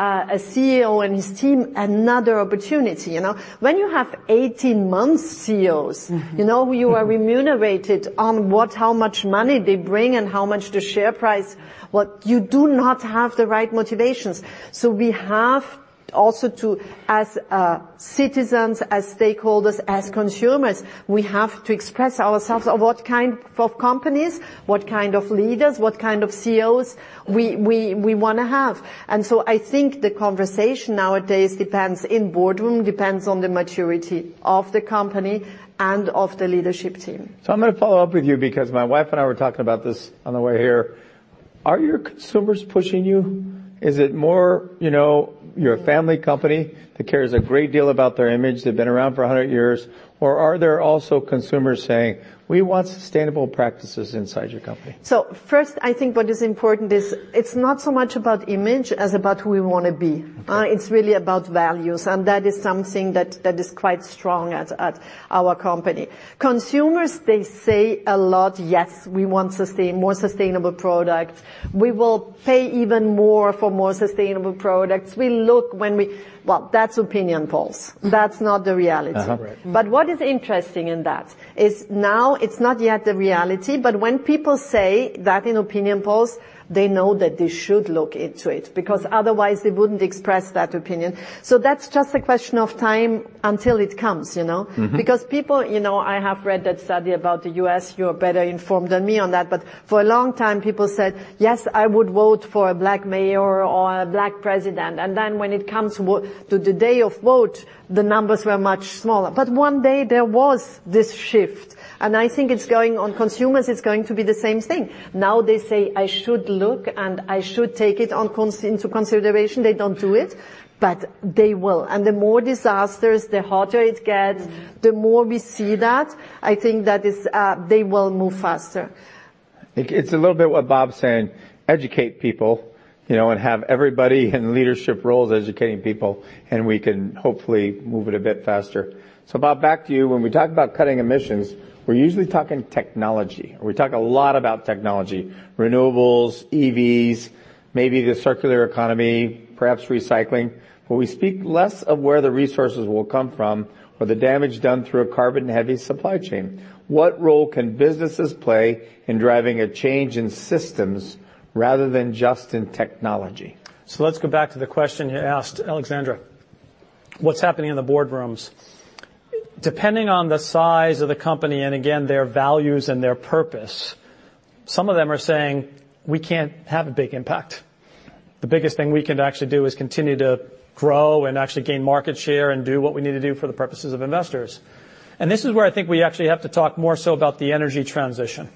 [SPEAKER 5] a CEO and his team another opportunity. When you have 18 months CEOs.
[SPEAKER 7] Mm-hmm
[SPEAKER 5] You are remunerated on how much money they bring and how much the share price. You do not have the right motivations. We have also to, as citizens, as stakeholders, as consumers, we have to express ourselves on what kind of companies, what kind of leaders, what kind of CEOs we want to have. I think the conversation nowadays depends in boardroom, depends on the maturity of the company and of the leadership team.
[SPEAKER 4] I'm going to follow up with you because my wife and I were talking about this on the way here. Are your consumers pushing you? Is it more you're a family company that cares a great deal about their image, they've been around for 100 years, or are there also consumers saying, "We want sustainable practices inside your company"?
[SPEAKER 5] First, I think what is important is it's not so much about image as about who we want to be. It's really about values, and that is something that is quite strong at Our company. Consumers, they say a lot, "Yes, we want more sustainable products. We will pay even more for more sustainable products." Well, that's opinion polls. That's not the reality.
[SPEAKER 4] Uh-huh. Right.
[SPEAKER 5] What is interesting in that is now it's not yet the reality, but when people say that in opinion polls, they know that they should look into it, because otherwise they wouldn't express that opinion. That's just a question of time until it comes.
[SPEAKER 4] Mm-hmm.
[SPEAKER 5] Because people I have read that study about the U.S., you're better informed than me on that, but for a long time people said, "Yes, I would vote for a Black mayor or a Black president." When it comes to the day of vote, the numbers were much smaller. One day there was this shift, and I think it's going on consumers, it's going to be the same thing. Now they say, "I should look and I should take it into consideration." They don't do it, but they will. The more disasters, the hotter it gets, the more we see that, I think that they will move faster.
[SPEAKER 4] It's a little bit what Bob's saying, educate people, and have everybody in leadership roles educating people, and we can hopefully move it a bit faster. Bob, back to you. When we talk about cutting emissions, we're usually talking technology, or we talk a lot about technology, renewables, EVs, maybe the circular economy, perhaps recycling. But we speak less of where the resources will come from or the damage done through a carbon-heavy supply chain. What role can businesses play in driving a change in systems rather than just in technology?
[SPEAKER 7] Let's go back to the question you asked Alexandra. What's happening in the boardrooms? Depending on the size of the company and again, their values and their purpose, some of them are saying, "We can't have a big impact. The biggest thing we can actually do is continue to grow and actually gain market share and do what we need to do for the purposes of investors." This is where I think we actually have to talk more so about the energy transition.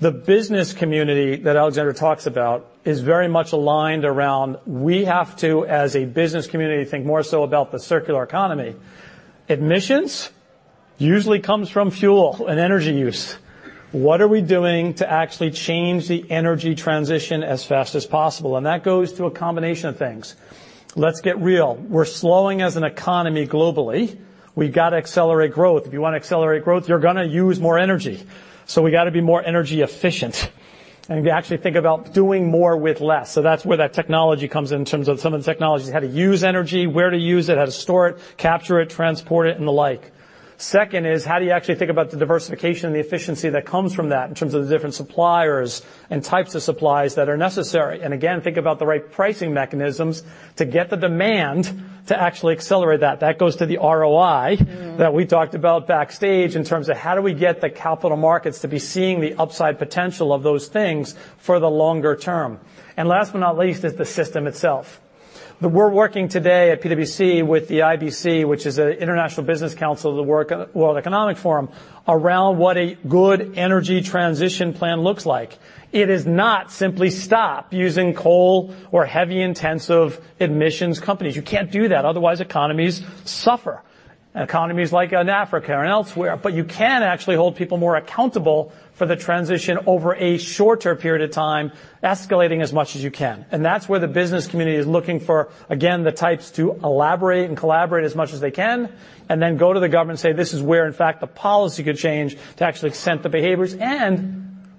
[SPEAKER 7] The business community that Alexandra talks about is very much aligned around, we have to, as a business community, think more so about the circular economy. Emissions usually comes from fuel and energy use. What are we doing to actually change the energy transition as fast as possible? That goes to a combination of things. Let's get real. We're slowing as an economy globally. We've got to accelerate growth. If you want to accelerate growth, you're going to use more energy. We got to be more energy efficient, and we actually think about doing more with less. That's where that technology comes in terms of some of the technologies, how to use energy, where to use it, how to store it, capture it, transport it and the like. Second is, how do you actually think about the diversification and the efficiency that comes from that in terms of the different suppliers and types of supplies that are necessary? Again, think about the right pricing mechanisms to get the demand to actually accelerate that. That goes to the ROI.
[SPEAKER 5] Mm
[SPEAKER 7] That we talked about backstage in terms of how do we get the capital markets to be seeing the upside potential of those things for the longer term. Last but not least is the system itself. We're working today at PwC with the IBC, which is the International Business Council of the World Economic Forum, around what a good energy transition plan looks like. It is not simply stop using coal or heavy intensive emissions companies. You can't do that, otherwise, economies suffer, economies like in Africa and elsewhere. But you can actually hold people more accountable for the transition over a shorter period of time, escalating as much as you can. That's where the business community is looking for, again, the types to elaborate and collaborate as much as they can, and then go to the government and say, "This is where, in fact, the policy could change to actually extend the behaviors."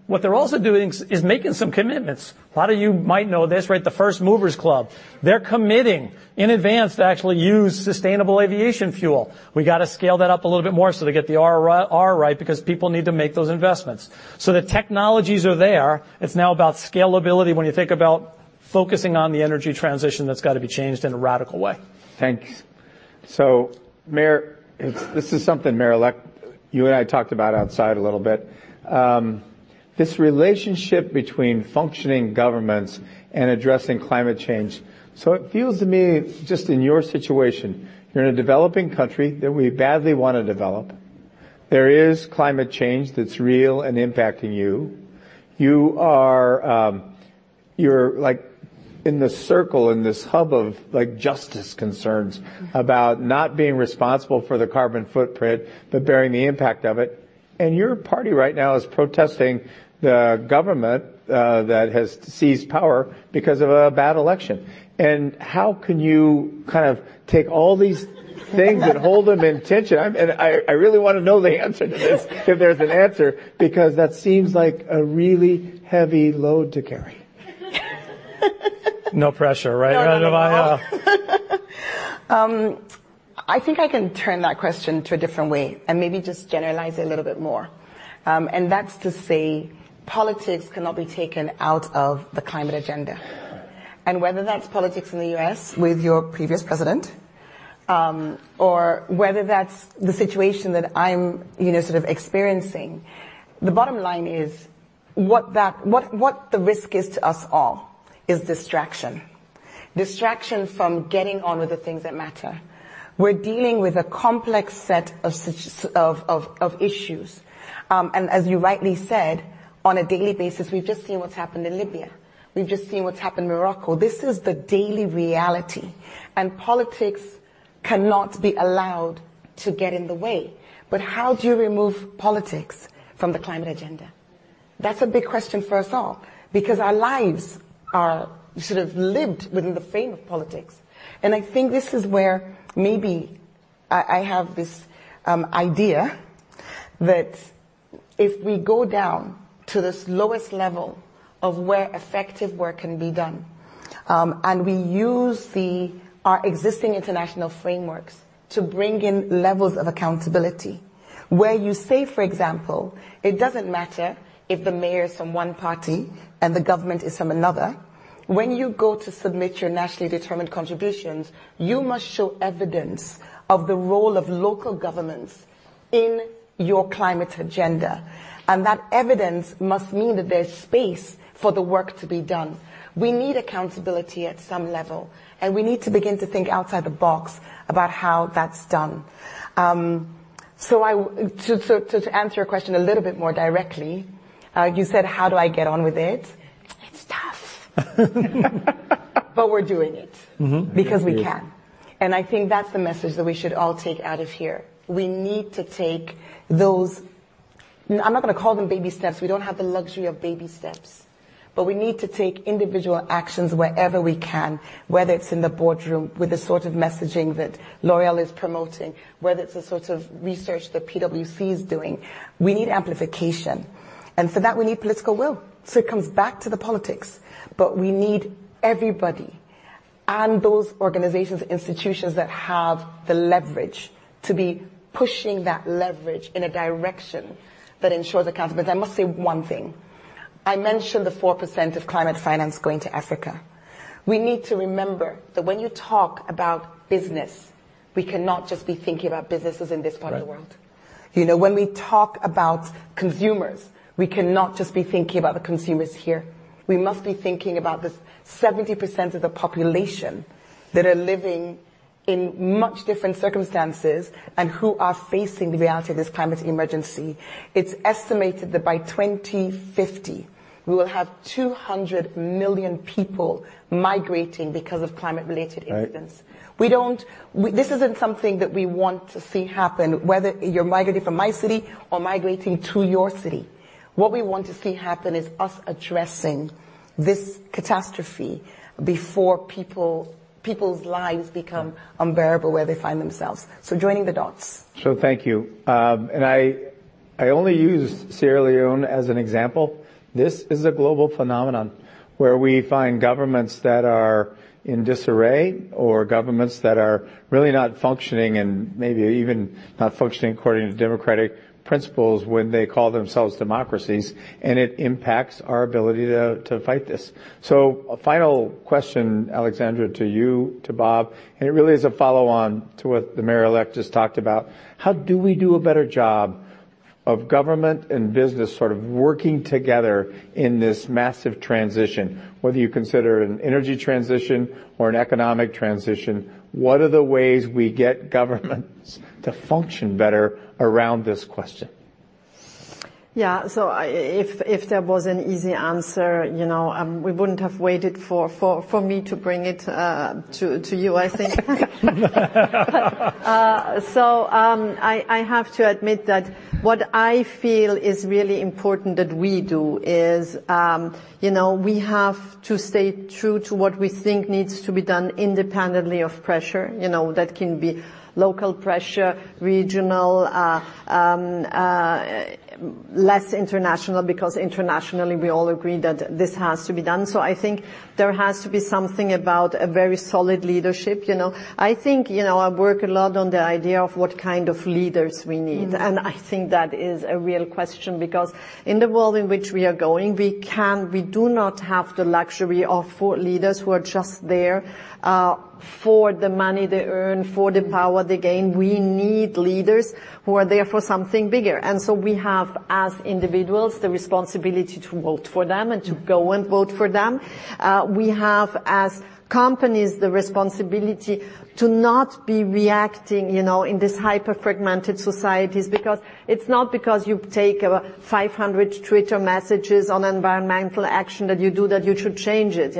[SPEAKER 7] What they're also doing is making some commitments. A lot of you might know this, right? The First Movers Club. They're committing in advance to actually use sustainable aviation fuel. We got to scale that up a little bit more so they get they are right because people need to make those investments. The technologies are there. It's now about scalability when you think about focusing on the energy transition that's got to be changed in a radical way.
[SPEAKER 4] Thanks. This is something, Mayor-elect, you and I talked about outside a little bit, this relationship between functioning governments and addressing climate change. It feels to me, just in your situation, you're in a developing country that we badly want to develop. There is climate change that's real and impacting you. You're in this circle, in this hub of justice concerns about not being responsible for the carbon footprint, but bearing the impact of it. Your party right now is protesting the government that has seized power because of a bad election. How can you take all these things and hold them in tension? I really want to know the answer to this, if there's an answer, because that seems like a really heavy load to carry. No pressure, right?
[SPEAKER 6] Not at all. I think I can turn that question to a different way and maybe just generalize it a little bit more. That's to say politics cannot be taken out of the climate agenda. Whether that's politics in the U.S. with your previous president, or whether that's the situation that I'm sort of experiencing, the bottom line is, what the risk is to us all is distraction. Distraction from getting on with the things that matter. We're dealing with a complex set of issues. As you rightly said, on a daily basis, we've just seen what's happened in Libya. We've just seen what's happened in Morocco. This is the daily reality, and politics cannot be allowed to get in the way. How do you remove politics from the climate agenda? That's a big question for us all, because our lives are sort of lived within the frame of politics. I think this is where maybe I have this idea that if we go down to this lowest level of where effective work can be done, and we use our existing international frameworks to bring in levels of accountability, where you say, for example, it doesn't matter if the mayor is from one party and the government is from another. When you go to submit your nationally determined contributions, you must show evidence of the role of local governments in your climate agenda, and that evidence must mean that there's space for the work to be done. We need accountability at some level, and we need to begin to think outside the box about how that's done. To answer your question a little bit more directly, you said, "How do I get on with it?" It's tough. We're doing it.
[SPEAKER 4] Mm-hmm.
[SPEAKER 6] Because we can. I think that's the message that we should all take out of here. We need to take those. I'm not going to call them baby steps. We don't have the luxury of baby steps. We need to take individual actions wherever we can, whether it's in the boardroom with the sort of messaging that L'Oréal is promoting, whether it's the sort of research that PwC is doing. We need amplification. For that, we need political will. It comes back to the politics. We need everybody and those organizations, institutions that have the leverage to be pushing that leverage in a direction that ensures accountability. I must say one thing. I mentioned the 4% of climate finance going to Africa. We need to remember that when you talk about business, we cannot just be thinking about businesses in this part of the world.
[SPEAKER 4] Right.
[SPEAKER 6] When we talk about consumers, we cannot just be thinking about the consumers here. We must be thinking about this 70% of the population that are living in much different circumstances and who are facing the reality of this climate emergency. It's estimated that by 2050, we will have 200 million people migrating because of climate-related incidents.
[SPEAKER 4] Right.
[SPEAKER 6] This isn't something that we want to see happen, whether you're migrating from my city or migrating to your city. What we want to see happen is us addressing this catastrophe before people's lives become unbearable where they find themselves. Joining the dots.
[SPEAKER 4] Thank you. I only use Sierra Leone as an example. This is a global phenomenon where we find governments that are in disarray or governments that are really not functioning and maybe even not functioning according to democratic principles when they call themselves democracies, and it impacts our ability to fight this. A final question, Alexandra, to you, to Bob, and it really is a follow-on to what the mayor-elect just talked about. How do we do a better job of government and business sort of working together in this massive transition? Whether you consider an energy transition or an economic transition, what are the ways we get governments to function better around this question?
[SPEAKER 5] Yeah. If there was an easy answer, we wouldn't have waited for me to bring it to you, I think. I have to admit that what I feel is really important that we do is we have to stay true to what we think needs to be done independently of pressure. That can be local pressure, regional, national, international, because internationally, we all agree that this has to be done. I think there has to be something about a very solid leadership. I work a lot on the idea of what kind of leaders we need, and I think that is a real question, because in the world in which we are going, we do not have the luxury of leaders who are just there for the money they earn, for the power they gain. We need leaders who are there for something bigger. We have, as individuals, the responsibility to vote for them and to go and vote for them. We have, as companies, the responsibility to not be reacting in these hyper fragmented societies, because it's not because you take 500 Twitter messages on environmental action that you do that you should change it.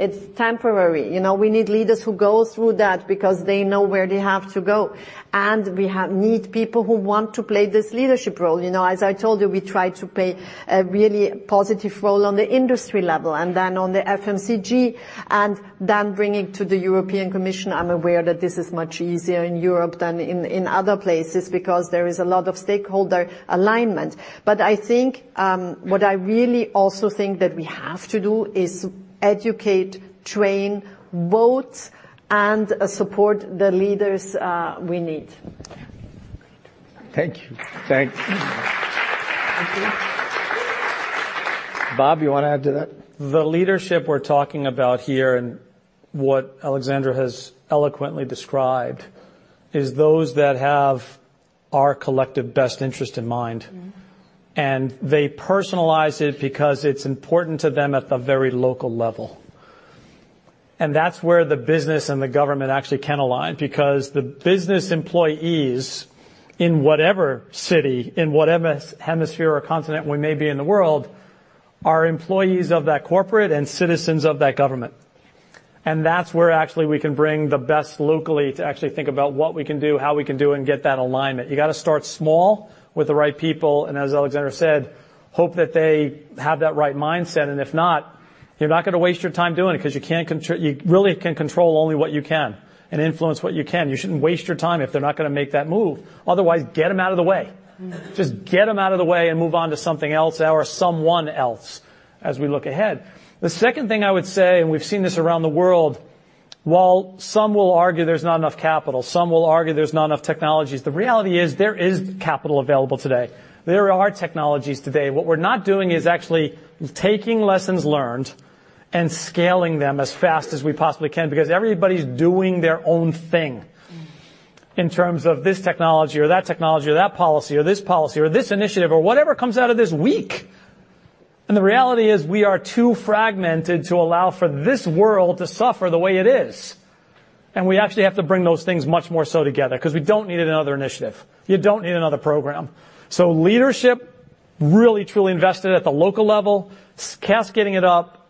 [SPEAKER 5] It's temporary. We need leaders who go through that because they know where they have to go. We need people who want to play this leadership role. As I told you, we try to play a really positive role on the industry level, and then on the FMCG, and then bringing to the European Commission. I'm aware that this is much easier in Europe than in other places because there is a lot of stakeholder alignment. What I really also think that we have to do is educate, train, vote, and support the leaders we need.
[SPEAKER 4] Thank you. Bob, you want to add to that?
[SPEAKER 7] The leadership we're talking about here and what Alexandra has eloquently described is those that have our collective best interest in mind, and they personalize it because it's important to them at the very local level. That's where the business and the government actually can align, because the business employees, in whatever city, in whatever hemisphere or continent we may be in the world, are employees of that corporate and citizens of that government. That's where actually we can bring the best locally to actually think about what we can do, how we can do, and get that alignment. You got to start small with the right people and as Alexandra said, hope that they have that right mindset and if not, you're not going to waste your time doing it because you really can control only what you can and influence what you can. You shouldn't waste your time if they're not going to make that move. Otherwise, get them out of the way. Just get them out of the way and move on to something else or someone else as we look ahead. The second thing I would say, and we've seen this around the world, while some will argue there's not enough capital, some will argue there's not enough technologies, the reality is there is capital available today. There are technologies today. What we're not doing is actually taking lessons learned and scaling them as fast as we possibly can because everybody's doing their own thing in terms of this technology or that technology or that policy or this policy or this initiative or whatever comes out of this week. The reality is we are too fragmented to allow for this world to suffer the way it is. We actually have to bring those things much more so together because we don't need another initiative. You don't need another program. Leadership, really truly invested at the local level, cascading it up,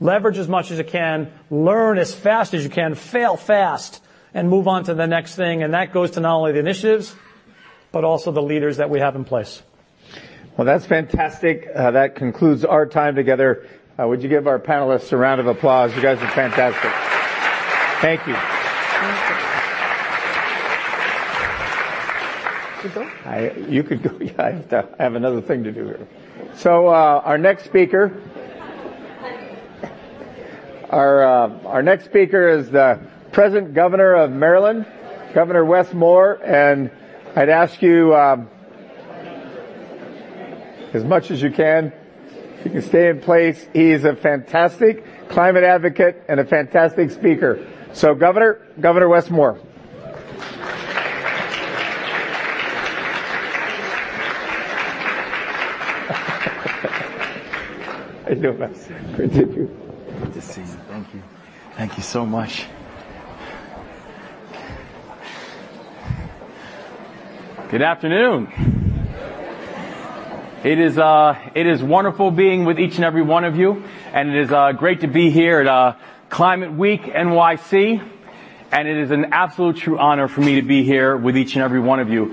[SPEAKER 7] leverage as much as it can, learn as fast as you can, fail fast, and move on to the next thing. That goes to not only the initiatives, but also the leaders that we have in place.
[SPEAKER 4] Well, that's fantastic. That concludes our time together. Would you give our panelists a round of applause? You guys are fantastic. Thank you.
[SPEAKER 6] Thank you. Should we go?
[SPEAKER 4] You could go, yeah. I have another thing to do here.
[SPEAKER 3] Our next speaker is the present Governor of Maryland, Governor Wes Moore, and I'd ask you, as much as you can, if you can stay in place. He is a fantastic climate advocate and a fantastic speaker. Governor Wes Moore. How you doing, Wes?
[SPEAKER 8] Good. Thank you. Good to see you. Thank you. Thank you so much. Good afternoon.
[SPEAKER 3] Good afternoon.
[SPEAKER 8] It is wonderful being with each and every one of you, and it is great to be here at Climate Week NYC, and it is an absolute true honor for me to be here with each and every one of you,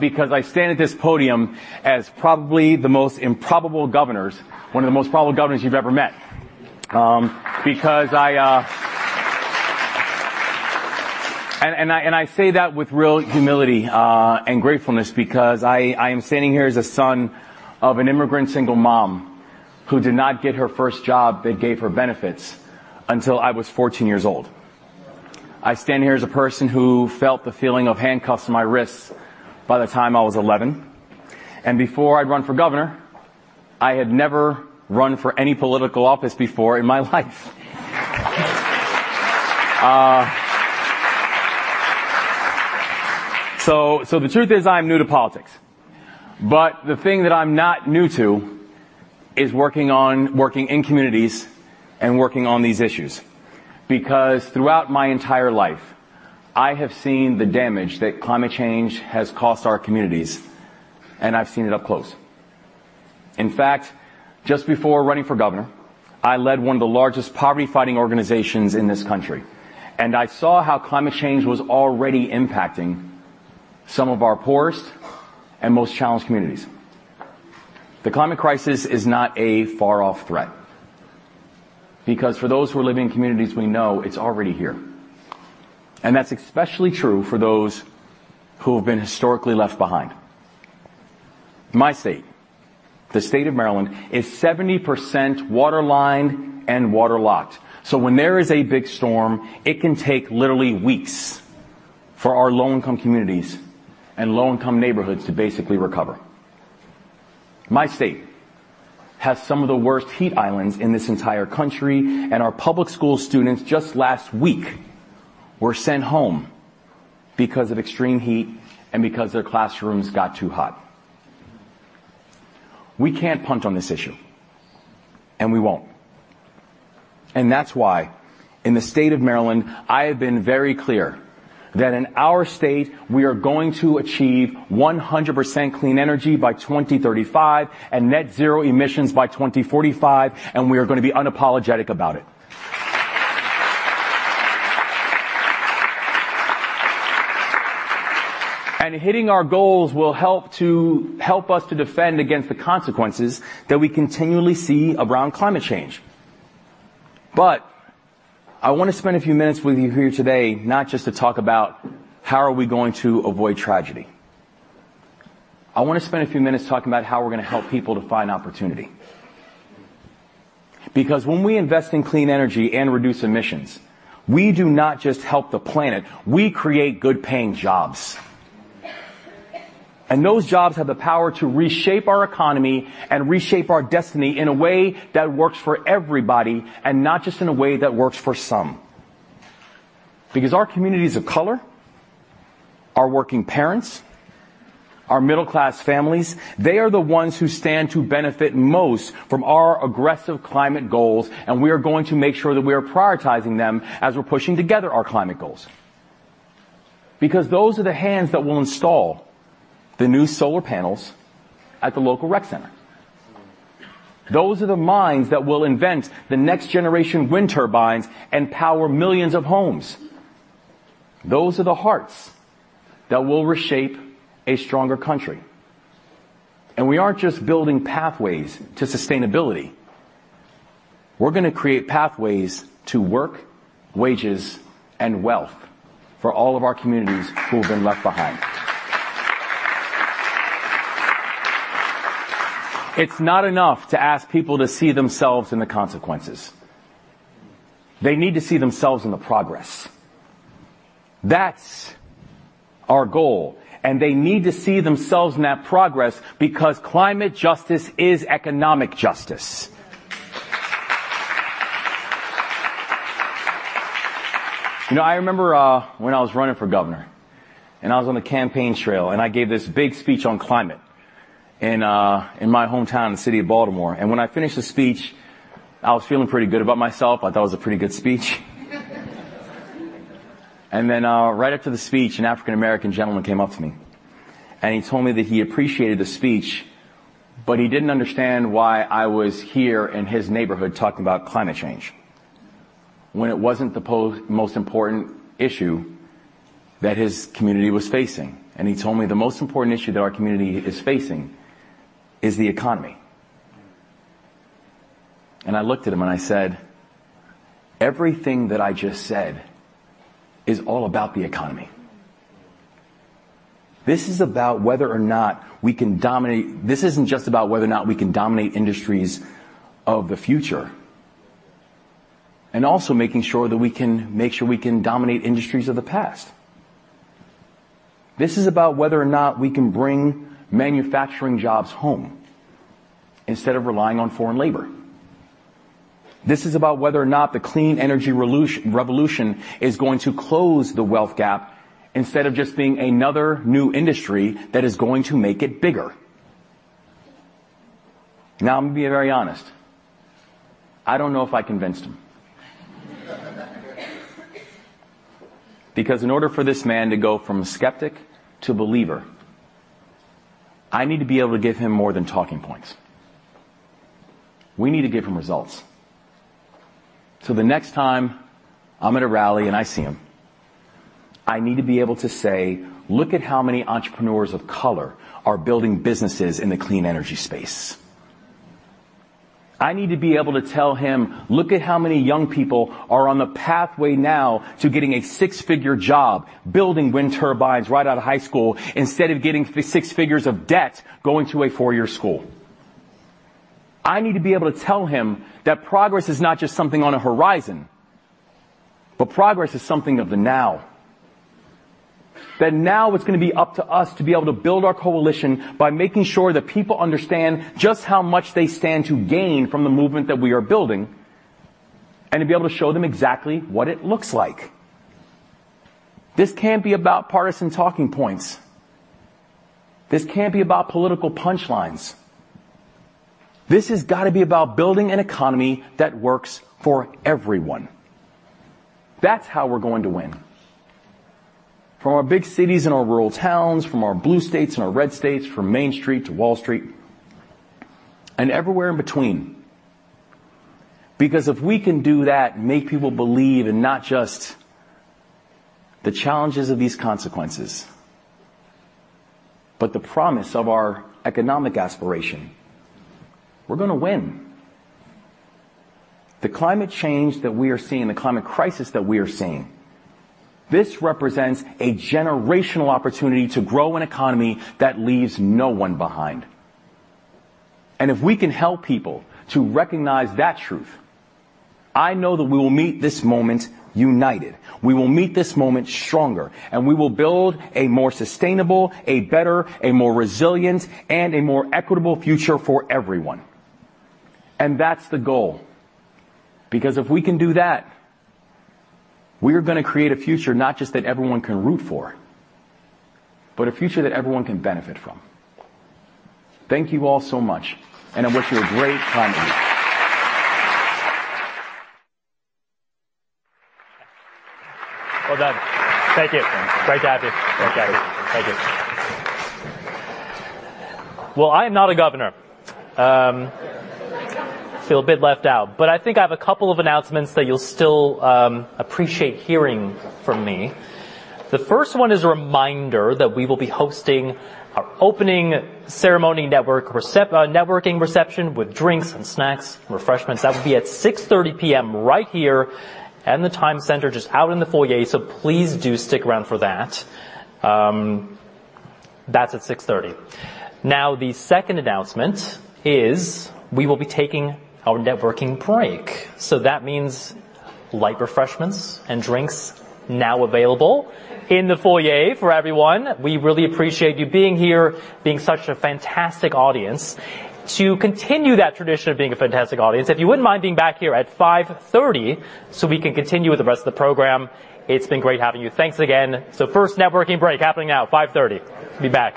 [SPEAKER 8] because I stand at this podium as probably the most improbable governor, one of the most improbable governors you've ever met. I say that with real humility, and gratefulness because I am standing here as a son of an immigrant single mom who did not get her first job that gave her benefits until I was 14 years old. I stand here as a person who felt the feeling of handcuffs on my wrists by the time I was 11. Before I'd run for governor, I had never run for any political office before in my life. The truth is I'm new to politics. The thing that I'm not new to is working in communities and working on these issues. Because throughout my entire life, I have seen the damage that climate change has caused our communities, and I've seen it up close. In fact, just before running for governor, I led one of the largest poverty-fighting organizations in this country, and I saw how climate change was already impacting some of our poorest and most challenged communities. The climate crisis is not a far-off threat because for those who are living in communities we know it's already here. That's especially true for those who have been historically left behind. My state, the state of Maryland, is 70% waterline and water locked. When there is a big storm, it can take literally weeks for our low-income communities and low-income neighborhoods to basically recover. My state has some of the worst heat islands in this entire country, and our public school students just last week were sent home because of extreme heat and because their classrooms got too hot. We can't punt on this issue, and we won't. That's why in the state of Maryland, I have been very clear that in our state we are going to achieve 100% clean energy by 2035 and net zero emissions by 2045 and we are going to be unapologetic about it. Hitting our goals will help us to defend against the consequences that we continually see around climate change. I want to spend a few minutes with you here today not just to talk about how are we going to avoid tragedy. I want to spend a few minutes talking about how we're going to help people to find opportunity. Because when we invest in clean energy and reduce emissions, we do not just help the planet, we create good-paying jobs. Those jobs have the power to reshape our economy and reshape our destiny in a way that works for everybody, and not just in a way that works for some. Because our communities of color, our working parents, our middle-class families, they are the ones who stand to benefit most from our aggressive climate goals and we are going to make sure that we are prioritizing them as we're pushing together our climate goals. Because those are the hands that will install the new solar panels at the local rec center. Those are the minds that will invent the next-generation wind turbines and power millions of homes. Those are the hearts that will reshape a stronger country. We aren't just building pathways to sustainability. We're going to create pathways to work, wages, and wealth for all of our communities who have been left behind. It's not enough to ask people to see themselves in the consequences. They need to see themselves in the progress. That's our goal, and they need to see themselves in that progress because climate justice is economic justice. I remember when I was running for governor, and I was on the campaign trail, and I gave this big speech on climate in my hometown, the city of Baltimore. When I finished the speech, I was feeling pretty good about myself. I thought it was a pretty good speech. Right after the speech, an African American gentleman came up to me, and he told me that he appreciated the speech, but he didn't understand why I was here in his neighborhood talking about climate change when it wasn't the most important issue that his community was facing. He told me, "The most important issue that our community is facing is the economy." I looked at him, and I said, "Everything that I just said is all about the economy. This isn't just about whether or not we can dominate industries of the future and also making sure that we can dominate industries of the past. This is about whether or not we can bring manufacturing jobs home instead of relying on foreign labor. This is about whether or not the clean energy revolution is going to close the wealth gap instead of just being another new industry that is going to make it bigger." Now, I'm going to be very honest, I don't know if I convinced him. Because in order for this man to go from skeptic to believer, I need to be able to give him more than talking points. We need to give him results. The next time I'm at a rally and I see him, I need to be able to say, "Look at how many entrepreneurs of color are building businesses in the clean energy space." I need to be able to tell him, "Look at how many young people are on the pathway now to getting a six-figure job building wind turbines right out of high school instead of getting six figures of debt going to a four-year school." I need to be able to tell him that progress is not just something on a horizon, but progress is something of the now. That now it's going to be up to us to be able to build our coalition by making sure that people understand just how much they stand to gain from the movement that we are building, and to be able to show them exactly what it looks like. This can't be about partisan talking points. This can't be about political punchlines. This has got to be about building an economy that works for everyone. That's how we're going to win. From our big cities and our rural towns, from our blue states and our red states, from Main Street to Wall Street and everywhere in between. Because if we can do that and make people believe in not just the challenges of these consequences, but the promise of our economic aspiration, we're going to win. The climate change that we are seeing, the climate crisis that we are seeing, this represents a generational opportunity to grow an economy that leaves no one behind. If we can help people to recognize that truth, I know that we will meet this moment united, we will meet this moment stronger, and we will build a more sustainable, a better, a more resilient, and a more equitable future for everyone. That's the goal. Because if we can do that, we are going to create a future not just that everyone can root for, but a future that everyone can benefit from. Thank you all so much, and I wish you a great climate week.
[SPEAKER 3] Well done. Thank you.
[SPEAKER 8] Thanks.
[SPEAKER 3] Great to have you.
[SPEAKER 8] Thanks, guys.
[SPEAKER 3] Thank you. Well, I am not a governor. Feel a bit left out. I think I have a couple of announcements that you'll still appreciate hearing from me. The first one is a reminder that we will be hosting our opening ceremony networking reception with drinks and snacks, refreshments. That will be at 6:30 P.M. right here in the Times Center, just out in the foyer. Please do stick around for that. That's at 6:30 P.M. Now, the second announcement is we will be taking our networking break. That means light refreshments and drinks now available in the foyer for everyone. We really appreciate you being here, being such a fantastic audience. To continue that tradition of being a fantastic audience, if you wouldn't mind being back here at 5:30 P.M. so we can continue with the rest of the program. It's been great having you. Thanks again. First networking break happening now. 5:30 P.M. Be back.